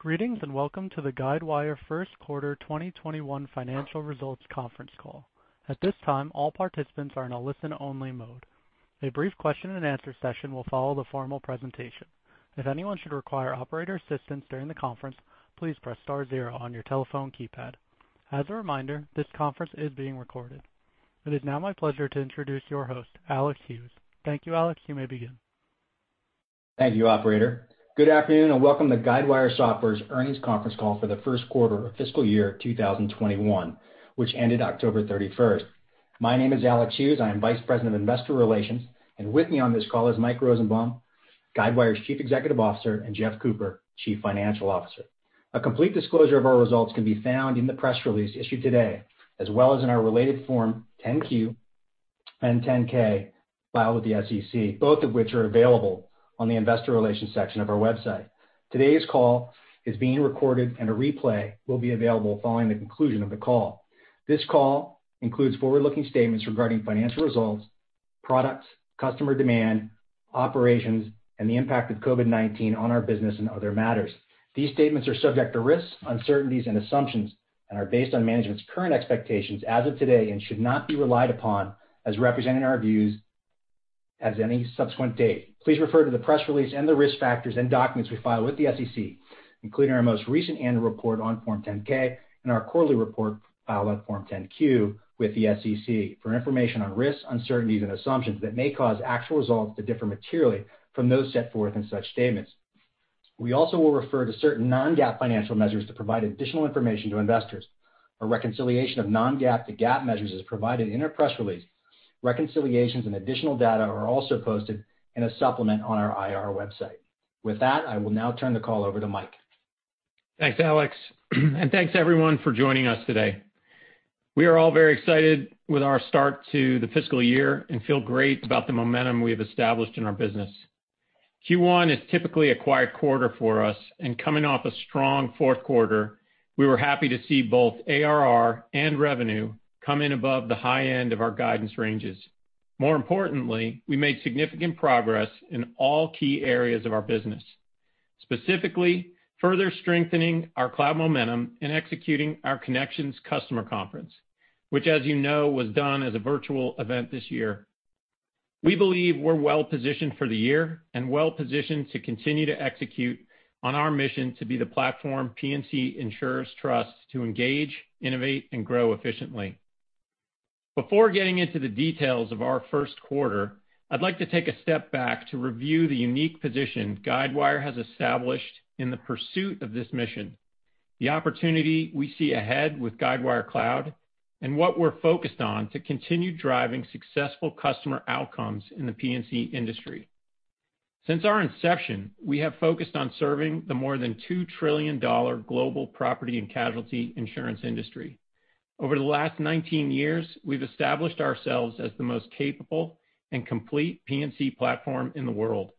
Greetings, and welcome to the Guidewire First Quarter 2021 Financial Results Conference Call. At this time, all participants are in a listen-only mode. A brief question and answer session will follow the formal presentation. If anyone should require operator assistance during the conference, please press star zero on your telephone keypad. As a reminder, this conference is being recorded. It is now my pleasure to introduce your host, Alex Hughes. Thank you, Alex. You may begin. Thank you, operator. Good afternoon, and welcome to Guidewire Software's Earnings Conference Call for the first quarter of Fiscal Year 2021, which ended October 31st. My name is Alex Hughes. I am Vice President of Investor Relations, and with me on this call is Mike Rosenbaum, Guidewire's Chief Executive Officer, and Jeff Cooper, Chief Financial Officer. A complete disclosure of our results can be found in the press release issued today, as well as in our related form 10-Q and 10-K filed with the SEC, both of which are available on the investor relations section of our website. Today's call is being recorded, and a replay will be available following the conclusion of the call. This call includes forward-looking statements regarding financial results, products, customer demand, operations, and the impact of COVID-19 on our business and other matters. These statements are subject to risks, uncertainties, and assumptions and are based on management's current expectations as of today and should not be relied upon as representing our views as any subsequent date. Please refer to the press release and the risk factors and documents we file with the SEC, including our most recent annual report on Form 10-K and our quarterly report filed on Form 10-Q with the SEC, for information on risks, uncertainties, and assumptions that may cause actual results to differ materially from those set forth in such statements. We also will refer to certain non-GAAP financial measures to provide additional information to investors. A reconciliation of non-GAAP to GAAP measures is provided in our press release. Reconciliations and additional data are also posted in a supplement on our IR website. With that, I will now turn the call over to Mike. Thanks, Alex, and thanks everyone for joining us today. We are all very excited with our start to the fiscal year and feel great about the momentum we have established in our business. Q1 is typically a quiet quarter for us, and coming off a strong fourth quarter, we were happy to see both ARR and revenue come in above the high end of our guidance ranges. More importantly, we made significant progress in all key areas of our business, specifically further strengthening our cloud momentum and executing our Connections customer conference, which as you know, was done as a virtual event this year. We believe we're well-positioned for the year and well-positioned to continue to execute on our mission to be the platform P&C insurers trust to engage, innovate, and grow efficiently. Before getting into the details of our first quarter, I'd like to take a step back to review the unique position Guidewire has established in the pursuit of this mission, the opportunity we see ahead with Guidewire Cloud, and what we're focused on to continue driving successful customer outcomes in the P&C industry. Since our inception, we have focused on serving the more than $2 trillion global property and casualty insurance industry. Over the last 19 years, we've established ourselves as the most capable and complete P&C platform in the world.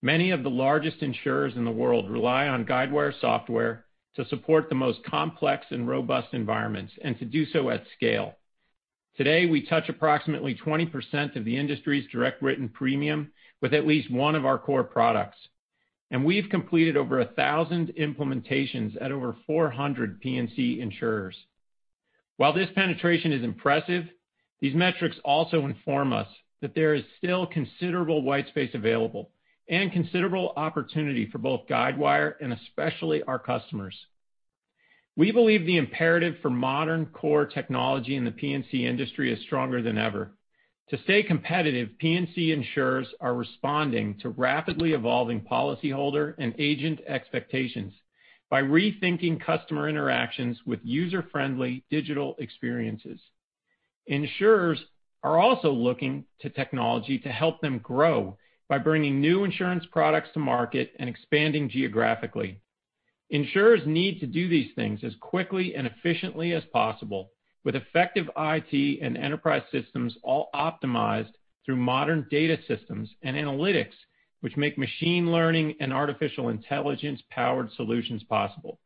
Many of the largest insurers in the world rely on Guidewire Software to support the most complex and robust environments, and to do so at scale. Today, we touch approximately 20% of the industry's direct written premium with at least one of our core products, and we've completed over 1,000 implementations at over 400 P&C insurers. While this penetration is impressive, these metrics also inform us that there is still considerable white space available and considerable opportunity for both Guidewire and especially our customers. We believe the imperative for modern core technology in the P&C industry is stronger than ever. To stay competitive, P&C insurers are responding to rapidly evolving policyholder and agent expectations by rethinking customer interactions with user-friendly digital experiences. Insurers are also looking to technology to help them grow by bringing new insurance products to market and expanding geographically. Insurers need to do these things as quickly and efficiently as possible with effective IT and enterprise systems all optimized through modern data systems and analytics, which make machine learning and artificial intelligence-powered solutions possible.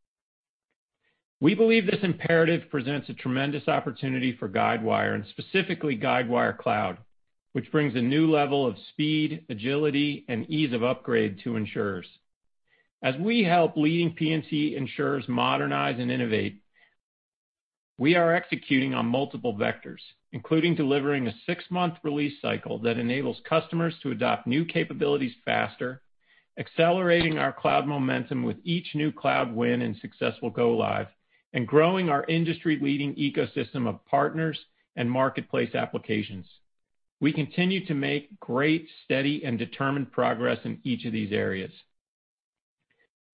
We believe this imperative presents a tremendous opportunity for Guidewire, and specifically Guidewire Cloud, which brings a new level of speed, agility, and ease of upgrade to insurers. As we help leading P&C insurers modernize and innovate, we are executing on multiple vectors, including delivering a six-month release cycle that enables customers to adopt new capabilities faster, accelerating our cloud momentum with each new cloud win and successful go-live, and growing our industry-leading ecosystem of partners and marketplace applications. We continue to make great, steady, and determined progress in each of these areas.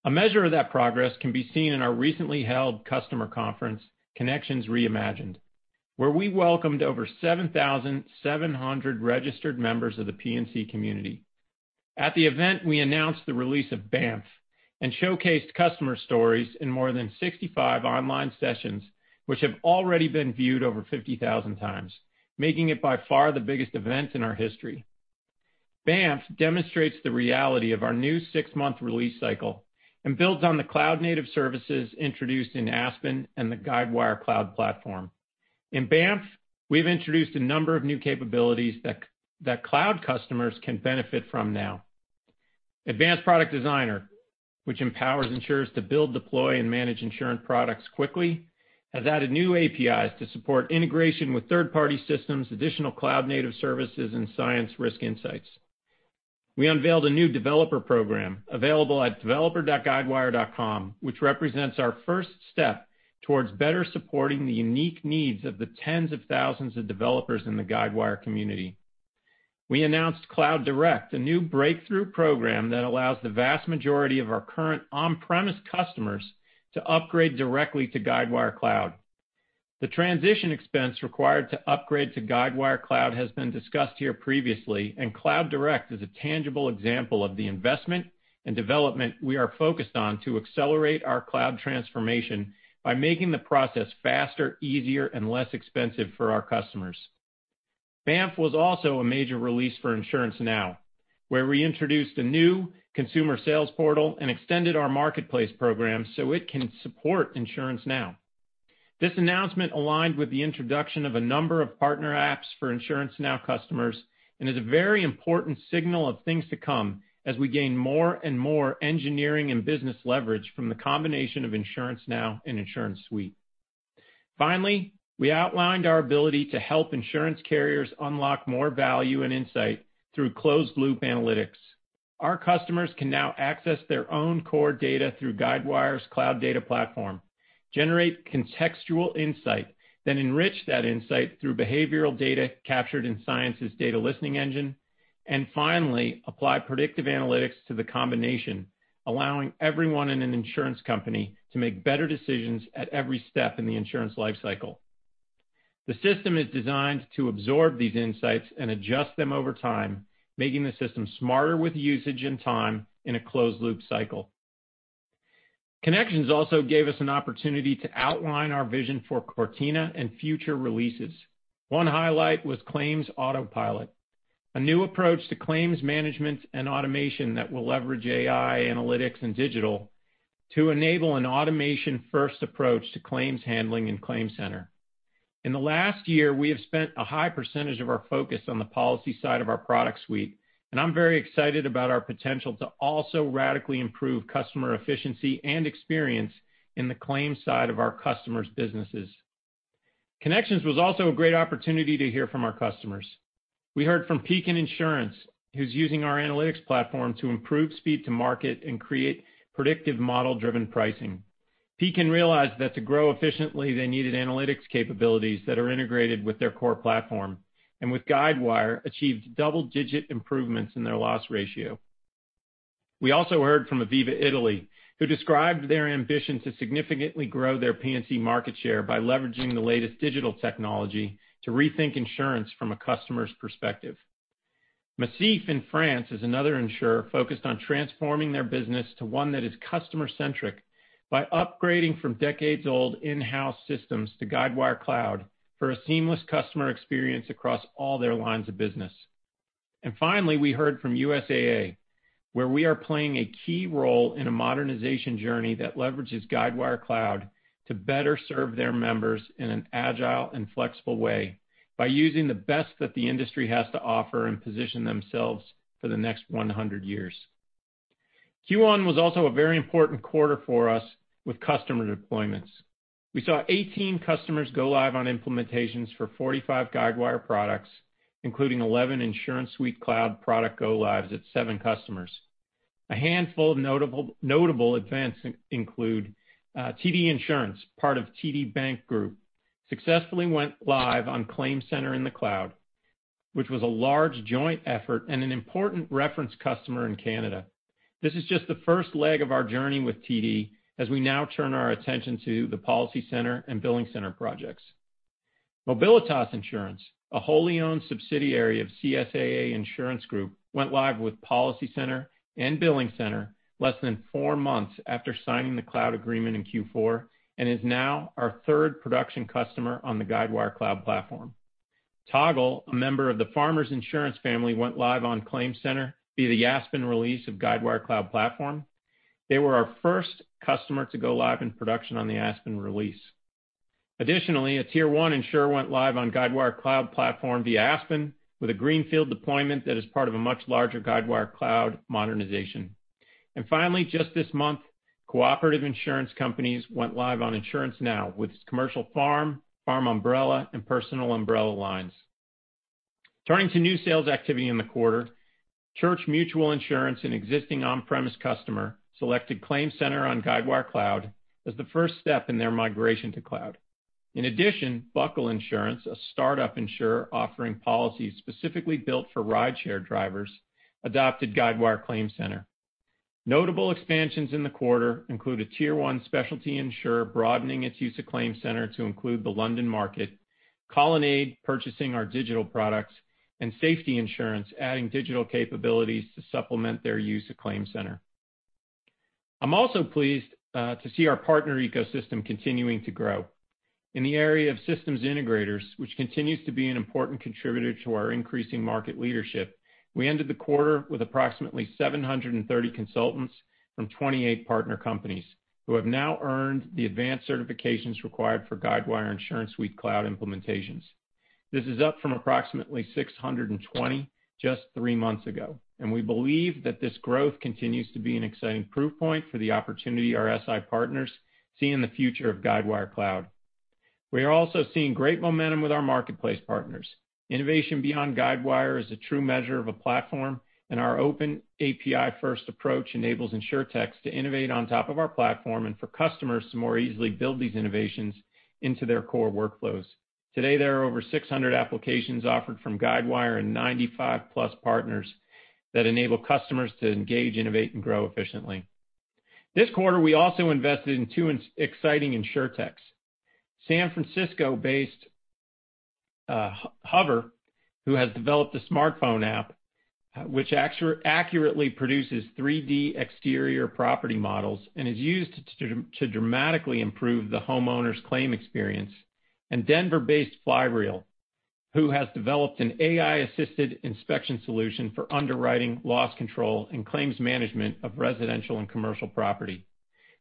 A measure of that progress can be seen in our recently held customer conference, Connections Reimagined, where we welcomed over 7,700 registered members of the P&C community. At the event, we announced the release of Banff and showcased customer stories in more than 65 online sessions, which have already been viewed over 50,000 times, making it by far the biggest event in our history. Banff demonstrates the reality of our new six-month release cycle and builds on the cloud-native services introduced in Aspen and the Guidewire Cloud Platform. In Banff, we've introduced a number of new capabilities that cloud customers can benefit from now. Advanced Product Designer, which empowers insurers to build, deploy, and manage insurance products quickly, has added new APIs to support integration with third-party systems, additional cloud-native services, and Cyence risk insights. We unveiled a new developer program available at developer.guidewire.com which represents our first step towards better supporting the unique needs of the tens of thousands of developers in the Guidewire community. We announced CloudDirect, a new breakthrough program that allows the vast majority of our current on-premise customers to upgrade directly to Guidewire Cloud. The transition expense required to upgrade to Guidewire Cloud has been discussed here previously, and CloudDirect is a tangible example of the investment and development we are focused on to accelerate our cloud transformation by making the process faster, easier, and less expensive for our customers. Banff was also a major release for InsuranceNow, where we introduced a new consumer sales portal and extended our marketplace program so it can support InsuranceNow. This announcement aligned with the introduction of a number of partner apps for InsuranceNow customers and is a very important signal of things to come as we gain more and more engineering and business leverage from the combination of InsuranceNow and InsuranceSuite. Finally, we outlined our ability to help insurance carriers unlock more value and insight through closed-loop analytics. Our customers can now access their own core data through Guidewire Cloud Data Platform, generate contextual insight, then enrich that insight through behavioral data captured in Cyence's data listening engine, and finally, apply predictive analytics to the combination, allowing everyone in an insurance company to make better decisions at every step in the insurance life cycle. The system is designed to absorb these insights and adjust them over time, making the system smarter with usage and time in a closed-loop cycle. Connections also gave us an opportunity to outline our vision for Cortina and future releases. One highlight was Claims Autopilot, a new approach to claims management and automation that will leverage AI, analytics, and digital to enable an automation-first approach to claims handling and ClaimCenter. In the last year, we have spent a high percentage of our focus on the policy side of our product suite, and I'm very excited about our potential to also radically improve customer efficiency and experience in the claims side of our customers' businesses. Connections was also a great opportunity to hear from our customers. We heard from Pekin Insurance, who's using our analytics platform to improve speed to market and create predictive model-driven pricing. Pekin realized that to grow efficiently, they needed analytics capabilities that are integrated with their core platform, and with Guidewire, achieved double-digit improvements in their loss ratio. We also heard from Aviva Italia, who described their ambition to significantly grow their P&C market share by leveraging the latest digital technology to rethink insurance from a customer's perspective. Macif in France is another insurer focused on transforming their business to one that is customer-centric by upgrading from decades-old in-house systems to Guidewire Cloud for a seamless customer experience across all their lines of business. Finally, we heard from USAA, where we are playing a key role in a modernization journey that leverages Guidewire Cloud to better serve their members in an agile and flexible way by using the best that the industry has to offer and position themselves for the next 100 years. Q1 was also a very important quarter for us with customer deployments. We saw 18 customers go live on implementations for 45 Guidewire products, including 11 InsuranceSuite Cloud product go-lives at seven customers. A handful of notable advances include TD Insurance, part of TD Bank Group, successfully went live on ClaimCenter in the cloud, which was a large joint effort and an important reference customer in Canada. This is just the first leg of our journey with TD, as we now turn our attention to the PolicyCenter and BillingCenter projects. Mobilitas Insurance, a wholly-owned subsidiary of CSAA Insurance Group, went live with PolicyCenter and BillingCenter less than four months after signing the cloud agreement in Q4 and is now our third production customer on the Guidewire Cloud Platform. Toggle, a member of the Farmers Insurance family, went live on ClaimCenter via the Aspen release of Guidewire Cloud Platform. They were our first customer to go live in production on the Aspen release. A Tier 1 insurer went live on Guidewire Cloud Platform via Aspen with a greenfield deployment that is part of a much larger Guidewire Cloud modernization. Finally, just this month, Co-operative Insurance Companies went live on InsuranceNow with its commercial farm umbrella, and personal umbrella lines. Turning to new sales activity in the quarter, Church Mutual Insurance, an existing on-premise customer, selected ClaimCenter on Guidewire Cloud as the first step in their migration to cloud. Buckle Insurance, a startup insurer offering policies specifically built for rideshare drivers, adopted Guidewire ClaimCenter. Notable expansions in the quarter include a Tier 1 specialty insurer broadening its use of ClaimCenter to include the London market, Colonnade purchasing our digital products, and Safety Insurance adding digital capabilities to supplement their use of ClaimCenter. I'm also pleased to see our partner ecosystem continuing to grow. In the area of systems integrators, which continues to be an important contributor to our increasing market leadership, we ended the quarter with approximately 730 consultants from 28 partner companies who have now earned the advanced certifications required for Guidewire InsuranceSuite Cloud implementations. This is up from approximately 620 just three months ago, and we believe that this growth continues to be an exciting proof point for the opportunity our SI partners see in the future of Guidewire Cloud. We are also seeing great momentum with our marketplace partners. Innovation beyond Guidewire is a true measure of a platform, and our open API-first approach enables Insurtechs to innovate on top of our platform and for customers to more easily build these innovations into their core workflows. Today, there are over 600 applications offered from Guidewire and 95 plus partners that enable customers to engage, innovate, and grow efficiently. This quarter, we also invested in two exciting Insurtechs, San Francisco-based HOVER, who has developed a smartphone app, which accurately produces 3D exterior property models and is used to dramatically improve the homeowner's claim experience, and Denver-based Flyreel, who has developed an AI-assisted inspection solution for underwriting, loss control, and claims management of residential and commercial property.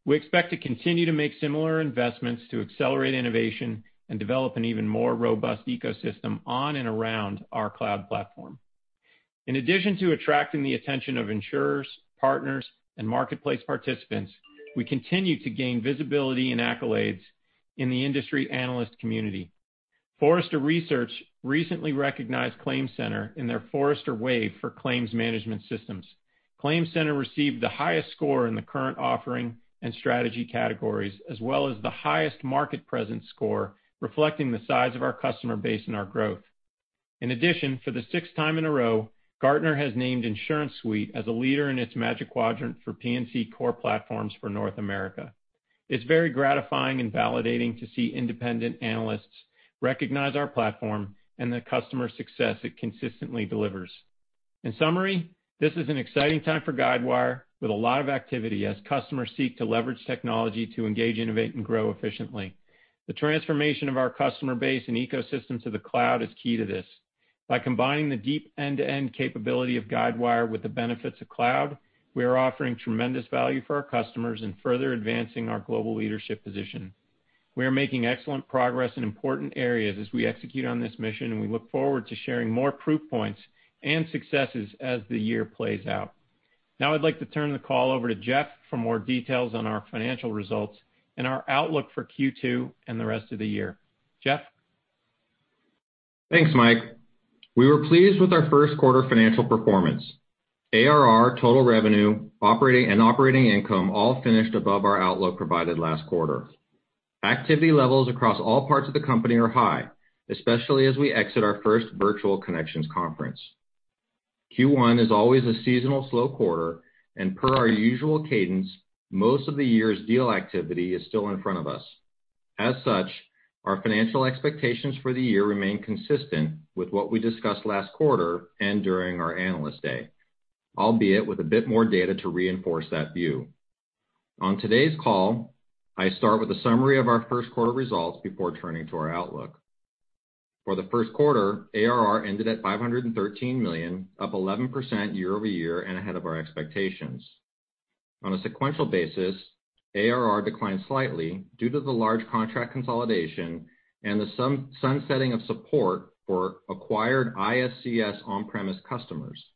We expect to continue to make similar investments to accelerate innovation and develop an even more robust ecosystem on and around our cloud platform. In addition to attracting the attention of insurers, partners, and marketplace participants, we continue to gain visibility and accolades in the industry analyst community. Forrester Research recently recognized ClaimCenter in their Forrester Wave for claims management systems. ClaimCenter received the highest score in the current offering and strategy categories, as well as the highest market presence score, reflecting the size of our customer base and our growth. In addition, for the sixth time in a row, Gartner has named InsuranceSuite as a leader in its Magic Quadrant for P&C core platforms for North America. It's very gratifying and validating to see independent analysts recognize our platform and the customer success it consistently delivers. In summary, this is an exciting time for Guidewire with a lot of activity as customers seek to leverage technology to engage, innovate, and grow efficiently. The transformation of our customer base and ecosystem to the cloud is key to this. By combining the deep end-to-end capability of Guidewire with the benefits of cloud, we are offering tremendous value for our customers and further advancing our global leadership position. We are making excellent progress in important areas as we execute on this mission, and we look forward to sharing more proof points and successes as the year plays out. Now I'd like to turn the call over to Jeff for more details on our financial results and our outlook for Q2 and the rest of the year. Jeff? Thanks, Mike. We were pleased with our first quarter financial performance. ARR, total revenue, and operating income all finished above our outlook provided last quarter. Activity levels across all parts of the company are high, especially as we exit our first virtual Connections conference. Q1 is always a seasonal slow quarter. Per our usual cadence, most of the year's deal activity is still in front of us. Our financial expectations for the year remain consistent with what we discussed last quarter and during our Analyst Day, albeit with a bit more data to reinforce that view. On today's call, I start with a summary of our first quarter results before turning to our outlook. For the first quarter, ARR ended at $513 million, up 11% year-over-year and ahead of our expectations. On a sequential basis, ARR declined slightly due to the large contract consolidation and the sunsetting of support for acquired ISCS on-premise customers.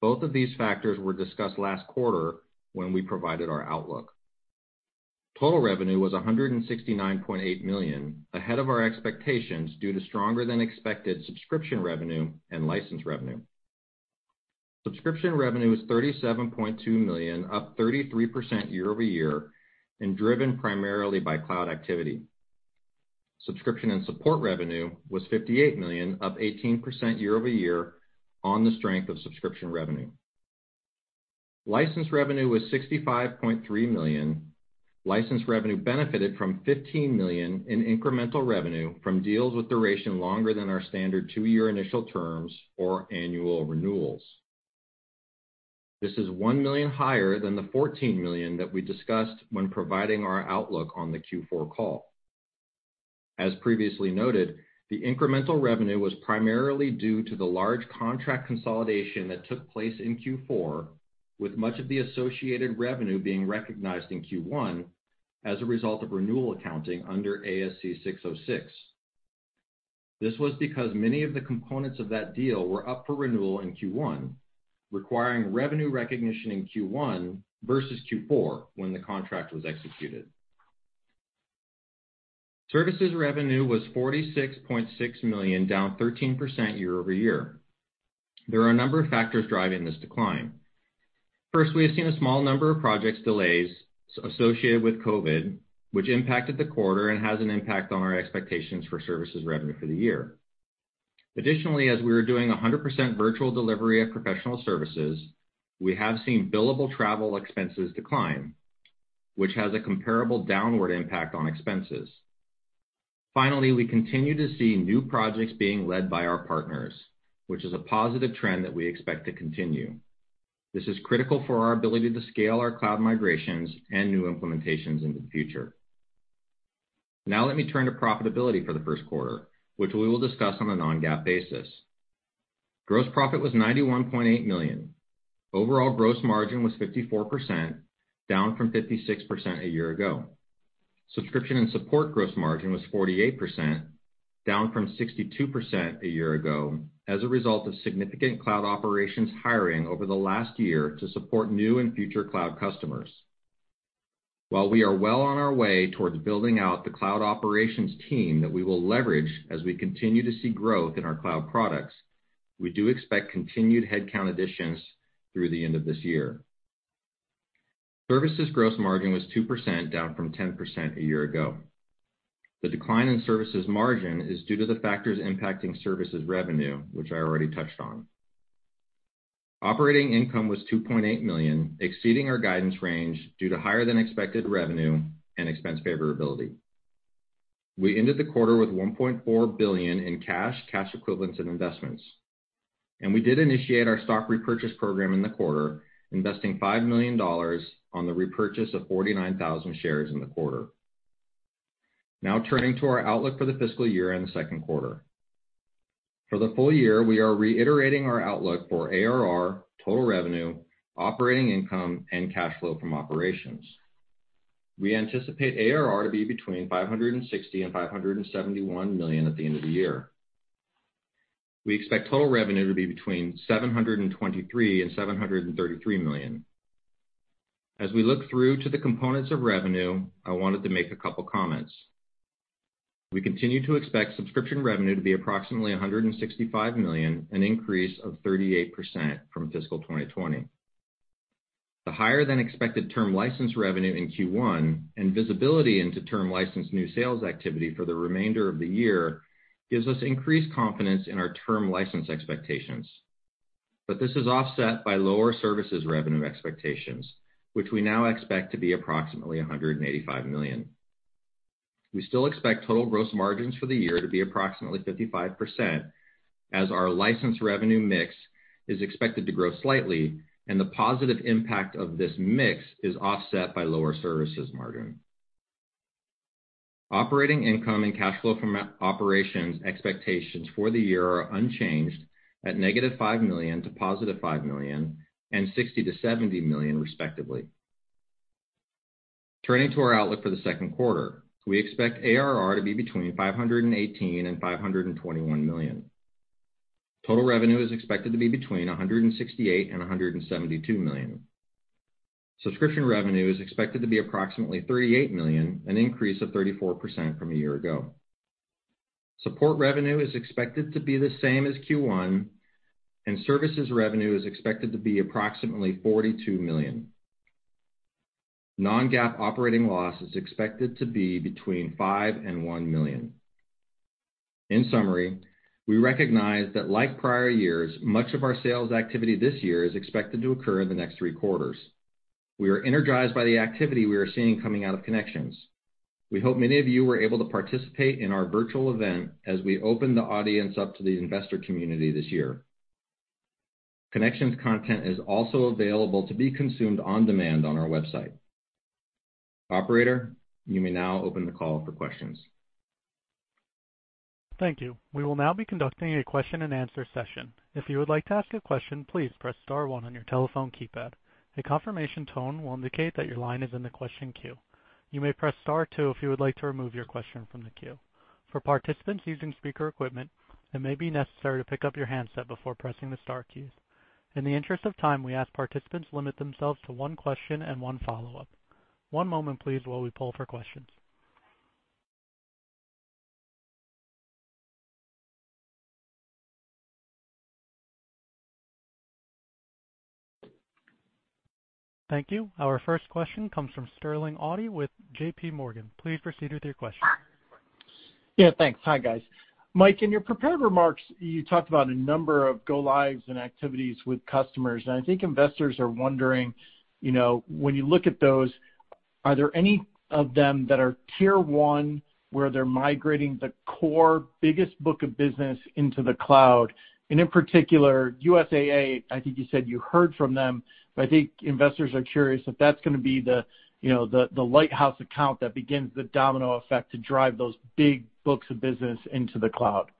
Both of these factors were discussed last quarter when we provided our outlook. Total revenue was $169.8 million, ahead of our expectations due to stronger-than-expected subscription revenue and license revenue. Subscription revenue was $37.2 million, up 33% year-over-year and driven primarily by cloud activity. Subscription and support revenue was $58 million, up 18% year-over-year on the strength of subscription revenue. License revenue was $65.3 million. License revenue benefited from $15 million in incremental revenue from deals with duration longer than our standard two-year initial terms or annual renewals. This is $1 million higher than the $14 million that we discussed when providing our outlook on the Q4 call. As previously noted, the incremental revenue was primarily due to the large contract consolidation that took place in Q4, with much of the associated revenue being recognized in Q1 as a result of renewal accounting under ASC 606. This was because many of the components of that deal were up for renewal in Q1, requiring revenue recognition in Q1 versus Q4, when the contract was executed. Services revenue was $46.6 million, down 13% year-over-year. There are a number of factors driving this decline. First, we have seen a small number of projects delays associated with COVID, which impacted the quarter and has an impact on our expectations for services revenue for the year. Additionally, as we are doing 100% virtual delivery of professional services, we have seen billable travel expenses decline, which has a comparable downward impact on expenses. Finally, we continue to see new projects being led by our partners, which is a positive trend that we expect to continue. This is critical for our ability to scale our cloud migrations and new implementations into the future. Now let me turn to profitability for the first quarter, which we will discuss on a non-GAAP basis. Gross profit was $91.8 million. Overall gross margin was 54%, down from 56% a year ago. Subscription and support gross margin was 48%, down from 62% a year ago as a result of significant cloud operations hiring over the last year to support new and future cloud customers. While we are well on our way towards building out the cloud operations team that we will leverage as we continue to see growth in our cloud products, we do expect continued headcount additions through the end of this year. Services gross margin was 2%, down from 10% a year ago. The decline in services margin is due to the factors impacting services revenue, which I already touched on. Operating income was $2.8 million, exceeding our guidance range due to higher than expected revenue and expense favorability. We ended the quarter with $1.4 billion in cash equivalents, and investments. We did initiate our stock repurchase program in the quarter, investing $5 million on the repurchase of 49,000 shares in the quarter. Now turning to our outlook for the fiscal year and the second quarter. For the full year, we are reiterating our outlook for ARR, total revenue, operating income, and cash flow from operations. We anticipate ARR to be between $560 million and $571 million at the end of the year. We expect total revenue to be between $723 million and $733 million. As we look through to the components of revenue, I wanted to make a couple comments. We continue to expect subscription revenue to be approximately $165 million, an increase of 38% from fiscal 2020. The higher than expected term license revenue in Q1 and visibility into term license new sales activity for the remainder of the year gives us increased confidence in our term license expectations. This is offset by lower services revenue expectations, which we now expect to be approximately $185 million. We still expect total gross margins for the year to be approximately 55% as our license revenue mix is expected to grow slightly, and the positive impact of this mix is offset by lower services margin. Operating income and cash flow from operations expectations for the year are unchanged at -$5 million-$5 million and $60 million-$70 million, respectively. Turning to our outlook for the second quarter. We expect ARR to be between $518 million and $521 million. Total revenue is expected to be between $168 million and $172 million. Subscription revenue is expected to be approximately $38 million, an increase of 34% from a year-ago. Support revenue is expected to be the same as Q1, and services revenue is expected to be approximately $42 million. Non-GAAP operating loss is expected to be between $5 million and $1 million. In summary, we recognize that like prior years, much of our sales activity this year is expected to occur in the next three quarters. We are energized by the activity we are seeing coming out of Connections. We hope many of you were able to participate in our virtual event as we open the audience up to the investor community this year. Connections content is also available to be consumed on demand on our website. Operator, you may now open the call for questions. Thank you. We will now be conducting a question and answer session. If you would like to ask a question, please press star one on your telephone keypad. A confirmation tone will indicate that your line is in the question queue. You may press star two if you would like to remove your question from the queue. For participants using speaker equipment, it may be necessary to pick up your handset before pressing the star key. In the interest of time, we ask participants limit themselves to one question and one follow-up. One moment, please, while we poll for questions. Thank you. Our first question comes from Sterling Auty with JPMorgan. Please proceed with your question. Yeah, thanks. Hi, guys. Mike, in your prepared remarks, you talked about a number of go-lives and activities with customers. I think investors are wondering, when you look at those, are there any of them that are Tier 1 where they're migrating the core biggest book of business into the Cloud? In particular, USAA, I think you said you heard from them, but I think investors are curious if that's going to be the lighthouse account that begins the domino effect to drive those big books of business into the Cloud.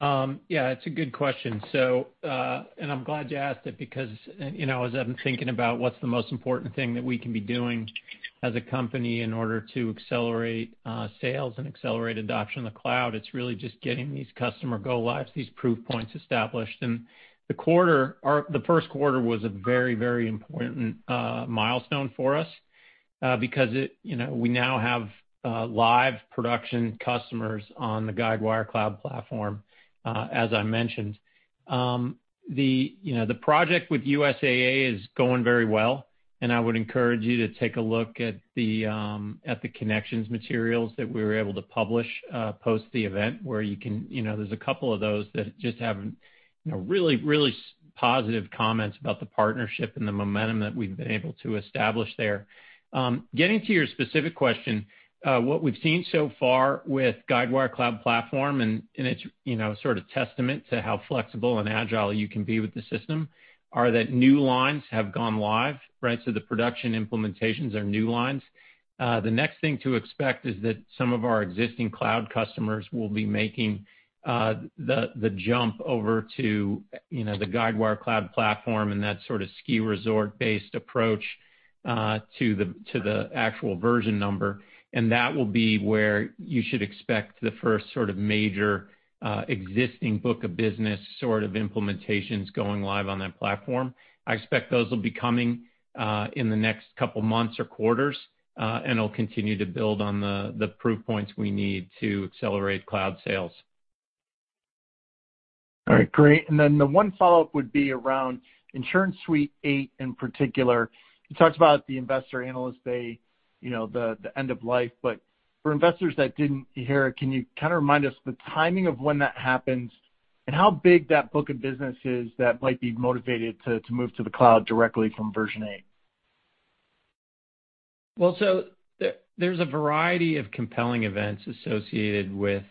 Yeah, it's a good question. I'm glad you asked it because as I'm thinking about what's the most important thing that we can be doing as a company in order to accelerate sales and accelerate adoption in the cloud, it's really just getting these customer go lives, these proof points established. The first quarter was a very important milestone for us, because we now have live production customers on the Guidewire Cloud platform, as I mentioned. The project with USAA is going very well, and I would encourage you to take a look at the Connections materials that we were able to publish, post the event where there's a couple of those that just have really positive comments about the partnership and the momentum that we've been able to establish there. Getting to your specific question, what we've seen so far with Guidewire Cloud Platform and its sort of testament to how flexible and agile you can be with the system are that new lines have gone live, right? The production implementations are new lines. The next thing to expect is that some of our existing cloud customers will be making the jump over to the Guidewire Cloud Platform and that sort of ski resort-based approach To the actual version number. That will be where you should expect the first major existing book of business implementations going live on that platform. I expect those will be coming in the next couple months or quarters, and it'll continue to build on the proof points we need to accelerate cloud sales. All right, great. The one follow-up would be around InsuranceSuite 8 in particular. You talked about the investor Analyst Day, the end of life. For investors that didn't hear it, can you kind of remind us the timing of when that happens, and how big that book of business is that might be motivated to move to the cloud directly from version eight? There's a variety of compelling events associated with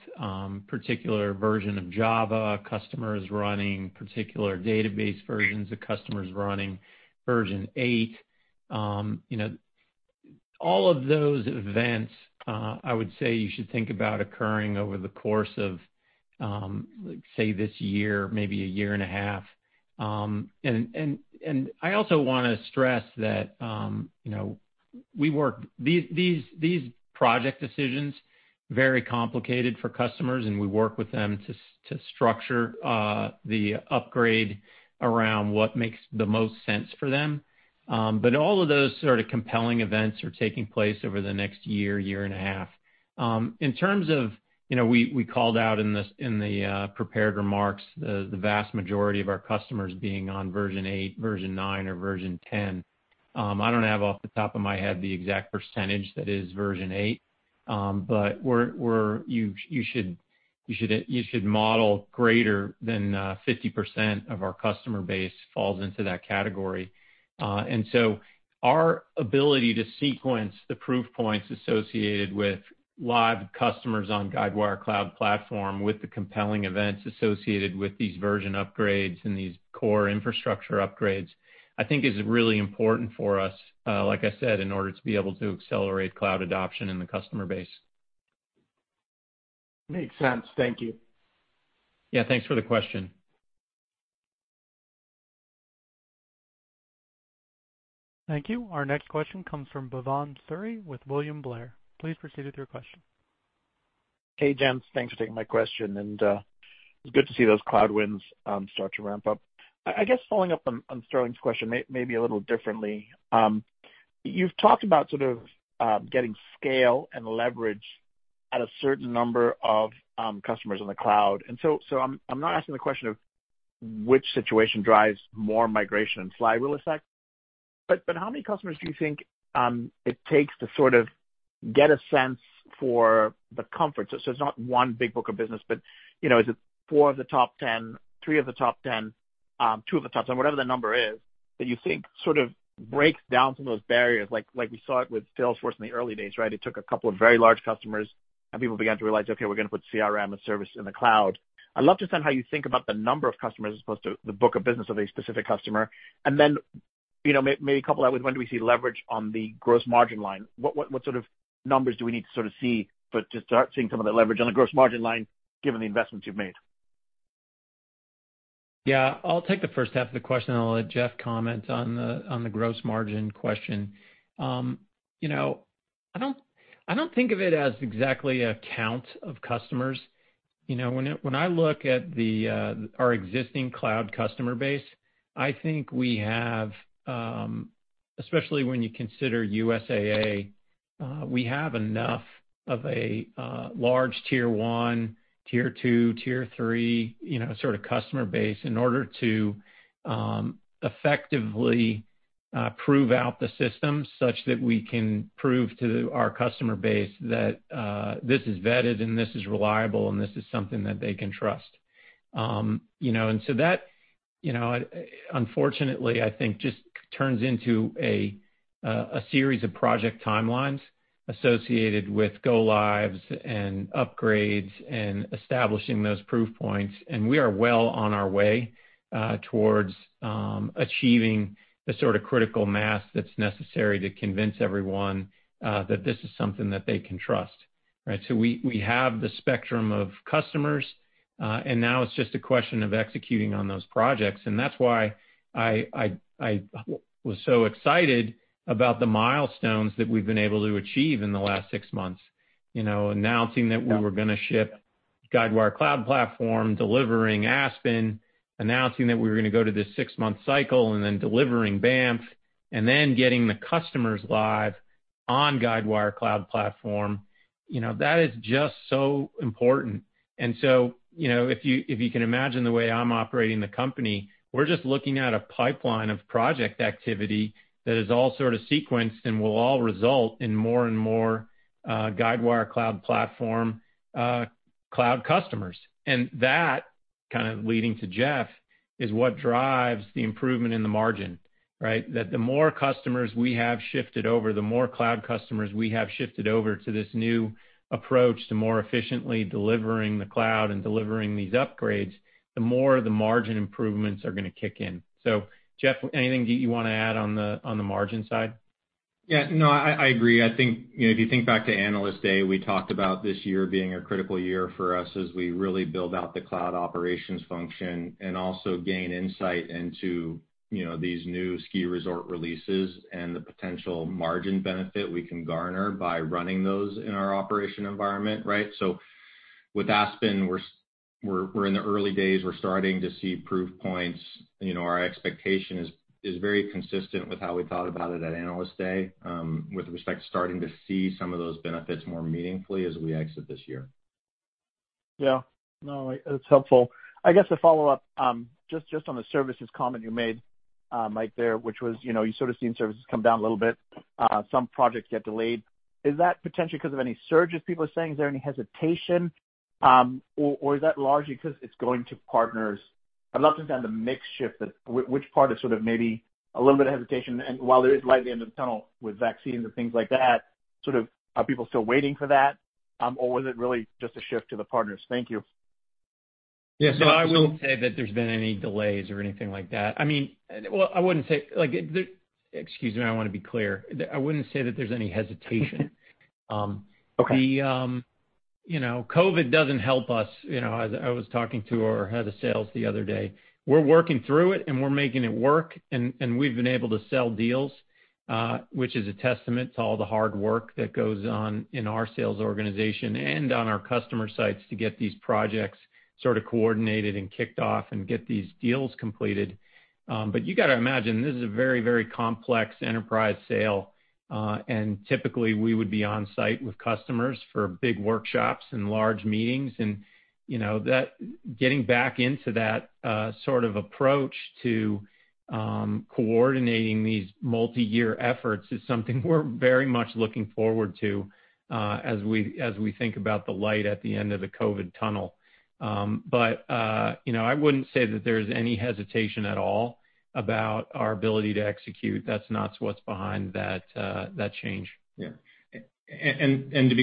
particular version of Java customers running, particular database versions of customers running version eight. All of those events, I would say you should think about occurring over the course of, say, this year, maybe a year and a half. I also want to stress that these project decisions, very complicated for customers, and we work with them to structure the upgrade around what makes the most sense for them. All of those sort of compelling events are taking place over the next year and a half. In terms of, we called out in the prepared remarks, the vast majority of our customers being on version eight, version nine, or version 10. I don't have off the top of my head the exact percentage that is version eight. You should model greater than 50% of our customer base falls into that category. Our ability to sequence the proof points associated with live customers on Guidewire Cloud Platform with the compelling events associated with these version upgrades and these core infrastructure upgrades, I think is really important for us, like I said, in order to be able to accelerate cloud adoption in the customer base. Makes sense. Thank you. Yeah, thanks for the question. Thank you. Our next question comes from Bhavan Suri with William Blair. Please proceed with your question. Hey, gents. Thanks for taking my question and it's good to see those Cloud wins start to ramp up. I guess following up on Sterling's question maybe a little differently. You've talked about sort of getting scale and leverage at a certain number of customers in the Cloud. I'm not asking the question of which situation drives more migration and flywheel effect, but how many customers do you think it takes to sort of get a sense for the comfort? It's not one big book of business, but is it four of the top 10, three of the top 10, two of the top 10, whatever the number is that you think sort of breaks down some of those barriers, like we saw it with Salesforce in the early days, right? It took a couple of very large customers, and people began to realize, okay, we're going to put CRM and service in the cloud. I'd love to understand how you think about the number of customers as opposed to the book of business of a specific customer. Maybe couple that with when do we see leverage on the gross margin line? What sort of numbers do we need to sort of see to start seeing some of the leverage on the gross margin line given the investments you've made? I'll take the first half of the question, I'll let Jeff comment on the gross margin question. I don't think of it as exactly a count of customers. When I look at our existing cloud customer base, I think we have, especially when you consider USAA, we have enough of a large Tier 1, Tier 2, Tier 3 sort of customer base in order to effectively prove out the system such that we can prove to our customer base that this is vetted and this is reliable, and this is something that they can trust. That, unfortunately, I think just turns into a series of project timelines associated with go lives and upgrades and establishing those proof points. We are well on our way towards achieving the sort of critical mass that's necessary to convince everyone that this is something that they can trust, right? We have the spectrum of customers, and now it's just a question of executing on those projects. That's why I was so excited about the milestones that we've been able to achieve in the last six months. Announcing that we were going to ship Guidewire Cloud Platform, delivering Aspen, announcing that we were going to go to this six-month cycle and then delivering Banff, and then getting the customers live on Guidewire Cloud Platform. That is just so important. If you can imagine the way I'm operating the company, we're just looking at a pipeline of project activity that is all sort of sequenced and will all result in more and more Guidewire Cloud Platform cloud customers. That, kind of leading to Jeff, is what drives the improvement in the margin, right? That the more customers we have shifted over, the more Cloud customers we have shifted over to this new approach to more efficiently delivering the Cloud and delivering these upgrades, the more the margin improvements are going to kick in. Jeff, anything you want to add on the margin side? Yeah, no, I agree. I think if you think back to Analyst Day, we talked about this year being a critical year for us as we really build out the cloud operations function and also gain insight into these new cloud releases and the potential margin benefit we can garner by running those in our operations environment. Right? With Aspen, we're in the early days. We're starting to see proof points. Our expectation is very consistent with how we thought about it at Analyst Day with respect to starting to see some of those benefits more meaningfully as we exit this year. No, it's helpful. I guess a follow-up, just on the services comment you made, Mike, there, which was you're sort of seeing services come down a little bit, some projects get delayed. Is that potentially because of any surges people are seeing? Is there any hesitation? Is that largely because it's going to partners? I'd love to understand the mix shift, which part is sort of maybe a little bit of hesitation. While there is light at the end of the tunnel with vaccines and things like that, sort of are people still waiting for that? Was it really just a shift to the partners? Thank you. Yeah. I wouldn't say that there's been any delays or anything like that. Well, excuse me, I want to be clear. I wouldn't say that there's any hesitation. Okay. COVID doesn't help us. I was talking to our head of sales the other day. We're working through it, and we're making it work, and we've been able to sell deals, which is a testament to all the hard work that goes on in our sales organization and on our customer sites to get these projects sort of coordinated and kicked off and get these deals completed. You got to imagine, this is a very, very complex enterprise sale. Typically, we would be on-site with customers for big workshops and large meetings. Getting back into that sort of approach to coordinating these multi-year efforts is something we're very much looking forward to as we think about the light at the end of the COVID tunnel. I wouldn't say that there's any hesitation at all about our ability to execute. That's not what's behind that change. Yeah. I want to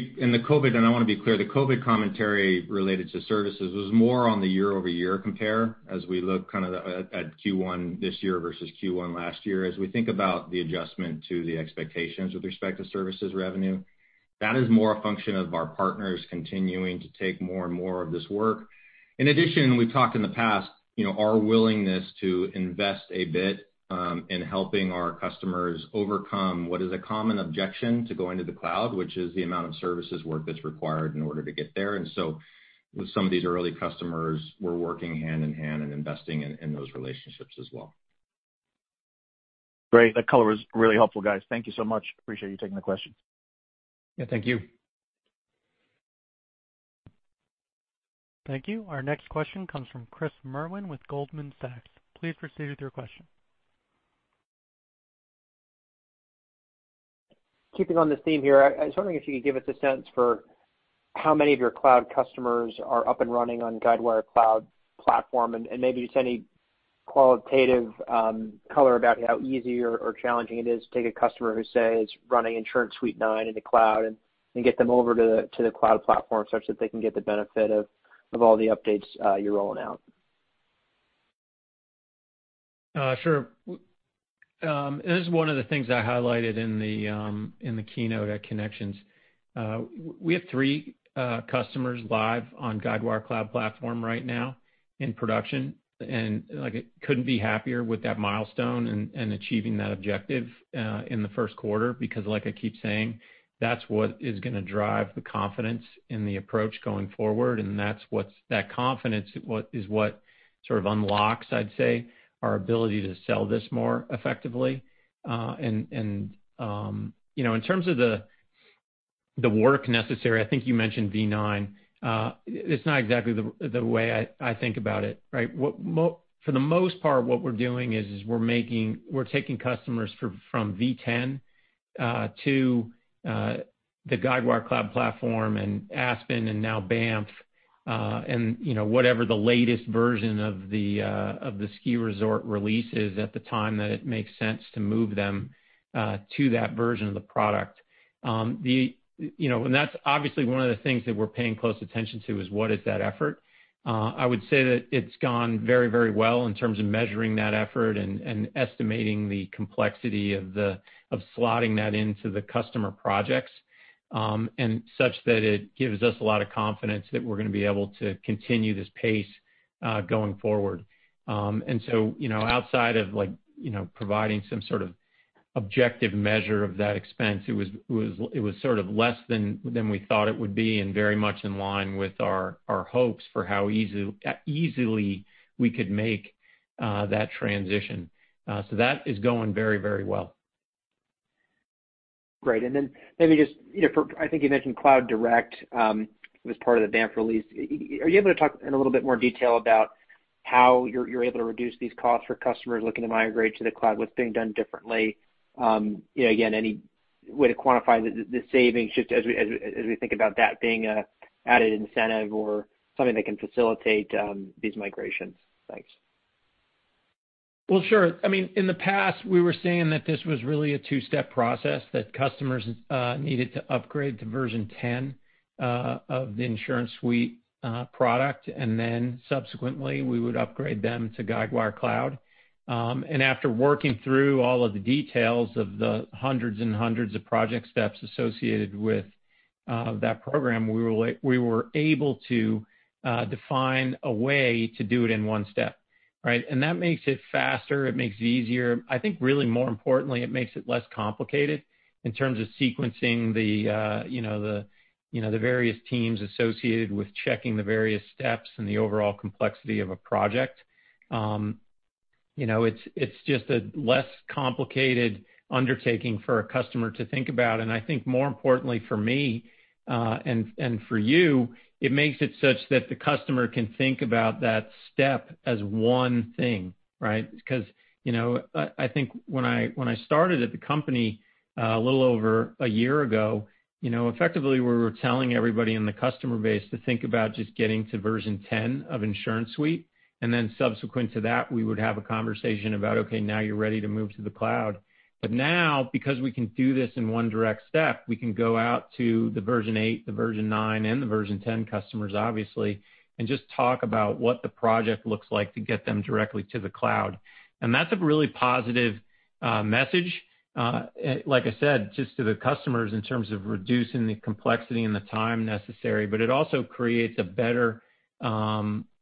be clear, the COVID commentary related to services was more on the year-over-year compare as we look kind of at Q1 this year versus Q1 last year, as we think about the adjustment to the expectations with respect to services revenue. That is more a function of our partners continuing to take more and more of this work. In addition, we've talked in the past, our willingness to invest a bit in helping our customers overcome what is a common objection to going to the cloud, which is the amount of services work that's required in order to get there. With some of these early customers, we're working hand-in-hand and investing in those relationships as well. Great. That color was really helpful, guys. Thank you so much. Appreciate you taking the question. Yeah, thank you. Thank you. Our next question comes from Chris Merwin with Goldman Sachs. Please proceed with your question. Keeping on this theme here, I was wondering if you could give us a sense for how many of your cloud customers are up and running on Guidewire Cloud Platform, and maybe just any qualitative color about how easy or challenging it is to take a customer who, say, is running InsuranceSuite 9 in the cloud and get them over to the cloud platform such that they can get the benefit of all the updates you're rolling out. Sure. This is one of the things I highlighted in the keynote at Connections. We have three customers live on Guidewire Cloud Platform right now in production. Couldn't be happier with that milestone and achieving that objective in the first quarter, because like I keep saying, that's what is going to drive the confidence in the approach going forward. That confidence is what sort of unlocks, I'd say, our ability to sell this more effectively. In terms of the work necessary, I think you mentioned V9. It's not exactly the way I think about it, right? For the most part, what we're doing is we're taking customers from V10 to the Guidewire Cloud Platform and Aspen and now Banff, and whatever the latest version of the ski resort release is at the time that it makes sense to move them to that version of the product. That's obviously one of the things that we're paying close attention to, is what is that effort? I would say that it's gone very, very well in terms of measuring that effort and estimating the complexity of slotting that into the customer projects, and such that it gives us a lot of confidence that we're going to be able to continue this pace going forward. Outside of providing some sort of objective measure of that expense, it was sort of less than we thought it would be and very much in line with our hopes for how easily we could make that transition. That is going very, very well. Great. Maybe just, I think you mentioned CloudDirect as part of the Banff release. Are you able to talk in a little bit more detail about how you're able to reduce these costs for customers looking to migrate to the cloud? What's being done differently? Any way to quantify the savings just as we think about that being an added incentive or something that can facilitate these migrations? Thanks. Well, sure. In the past, we were saying that this was really a two-step process that customers needed to upgrade to version 10 of the InsuranceSuite product. Subsequently, we would upgrade them to Guidewire Cloud. After working through all of the details of the hundreds and hundreds of project steps associated with that program, we were able to define a way to do it in one step. That makes it faster. It makes it easier. I think really more importantly, it makes it less complicated in terms of sequencing the various teams associated with checking the various steps and the overall complexity of a project. It is just a less complicated undertaking for a customer to think about. I think more importantly for me and for you, it makes it such that the customer can think about that step as one thing. I think when I started at the company a little over a year ago, effectively we were telling everybody in the customer base to think about just getting to version 10 of InsuranceSuite, and then subsequent to that, we would have a conversation about, okay, now you're ready to move to the cloud. Now, because we can do this in one direct step, we can go out to the version eight, the version nine, and the version 10 customers, obviously, and just talk about what the project looks like to get them directly to the cloud. That's a really positive message, like I said, just to the customers in terms of reducing the complexity and the time necessary, but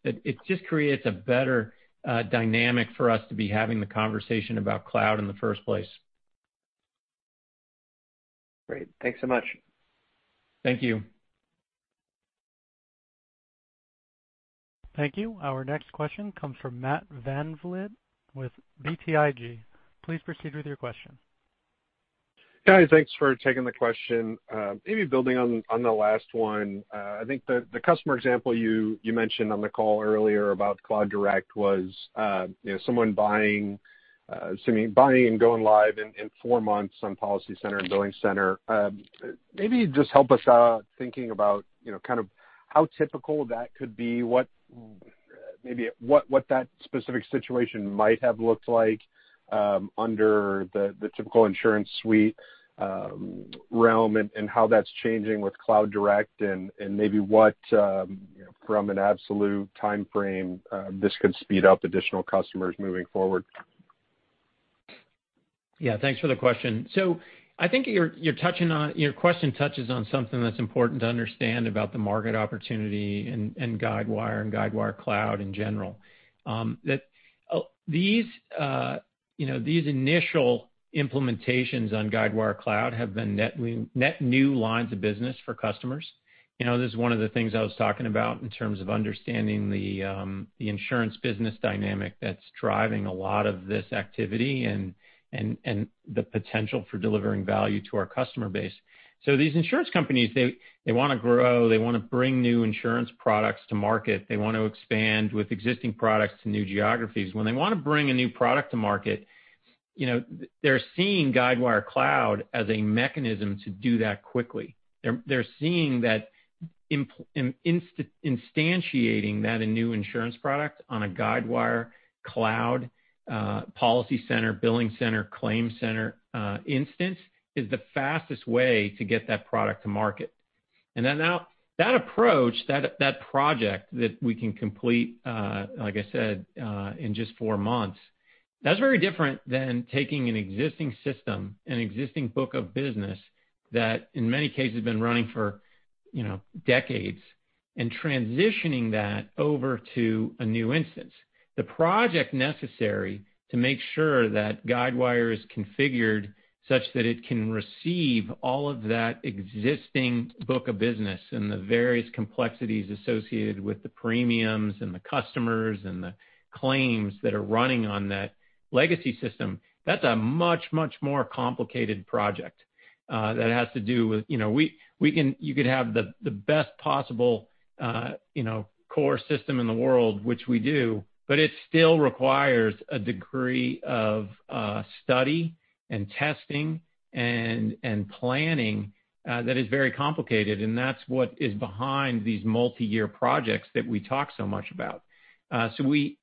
it just creates a better dynamic for us to be having the conversation about cloud in the first place. Great. Thanks so much. Thank you. Thank you. Our next question comes from Matt VanVliet with BTIG. Please proceed with your question. Guys, thanks for taking the question. Building on the last one, I think the customer example you mentioned on the call earlier about CloudDirect was someone buying and going live in four months on PolicyCenter and BillingCenter. Just help us out thinking about kind of how typical that could be, what that specific situation might have looked like under the typical InsuranceSuite realm, and how that's changing with CloudDirect, and from an absolute timeframe, this could speed up additional customers moving forward. Yeah. Thanks for the question. I think your question touches on something that's important to understand about the market opportunity and Guidewire and Guidewire Cloud in general. These initial implementations on Guidewire Cloud have been net new lines of business for customers. This is one of the things I was talking about in terms of understanding the insurance business dynamic that's driving a lot of this activity and the potential for delivering value to our customer base. These insurance companies, they want to grow. They want to bring new insurance products to market. They want to expand with existing products to new geographies. When they want to bring a new product to market, they're seeing Guidewire Cloud as a mechanism to do that quickly. They're seeing that instantiating that a new insurance product on a Guidewire Cloud PolicyCenter, BillingCenter, ClaimCenter instance is the fastest way to get that product to market. Now that approach, that project that we can complete, like I said, in just four months, that's very different than taking an existing system, an existing book of business that in many cases has been running for decades and transitioning that over to a new instance. The project necessary to make sure that Guidewire is configured such that it can receive all of that existing book of business and the various complexities associated with the premiums and the customers and the claims that are running on that legacy system, that's a much, much more complicated project. You could have the best possible core system in the world, which we do, but it still requires a degree of study and testing and planning that is very complicated, and that's what is behind these multi-year projects that we talk so much about. We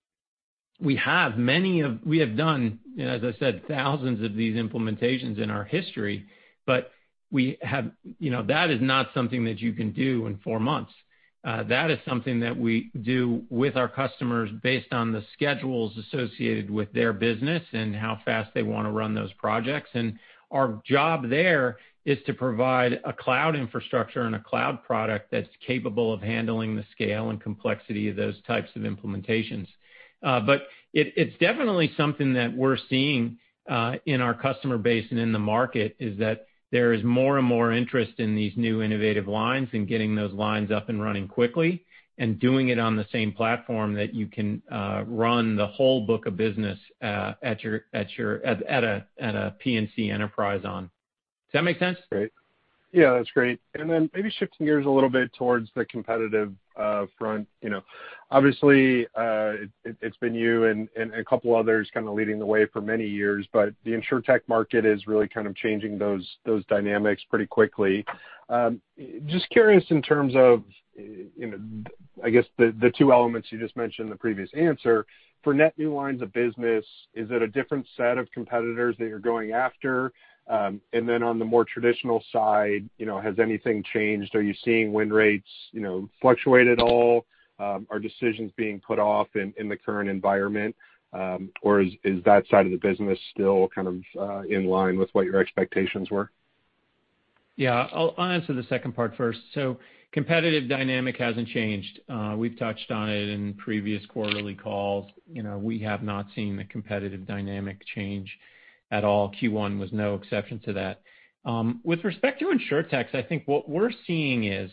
have done, as I said, thousands of these implementations in our history, but that is not something that you can do in four months. That is something that we do with our customers based on the schedules associated with their business and how fast they want to run those projects. Our job there is to provide a cloud infrastructure and a cloud product that's capable of handling the scale and complexity of those types of implementations. It's definitely something that we're seeing in our customer base and in the market, is that there is more and more interest in these new innovative lines and getting those lines up and running quickly and doing it on the same platform that you can run the whole book of business at a P&C enterprise on. Does that make sense? Great. Yeah, that's great. Maybe shifting gears a little bit towards the competitive front. Obviously, it's been you and a couple others kind of leading the way for many years, but the Insurtech market is really kind of changing those dynamics pretty quickly. Just curious in terms of, I guess the two elements you just mentioned in the previous answer. For net new lines of business, is it a different set of competitors that you're going after? On the more traditional side, has anything changed? Are you seeing win rates fluctuate at all? Are decisions being put off in the current environment? Is that side of the business still kind of in line with what your expectations were? I'll answer the second part first. Competitive dynamic hasn't changed. We've touched on it in previous quarterly calls. We have not seen the competitive dynamic change at all. Q1 was no exception to that. With respect to Insurtech, I think what we're seeing is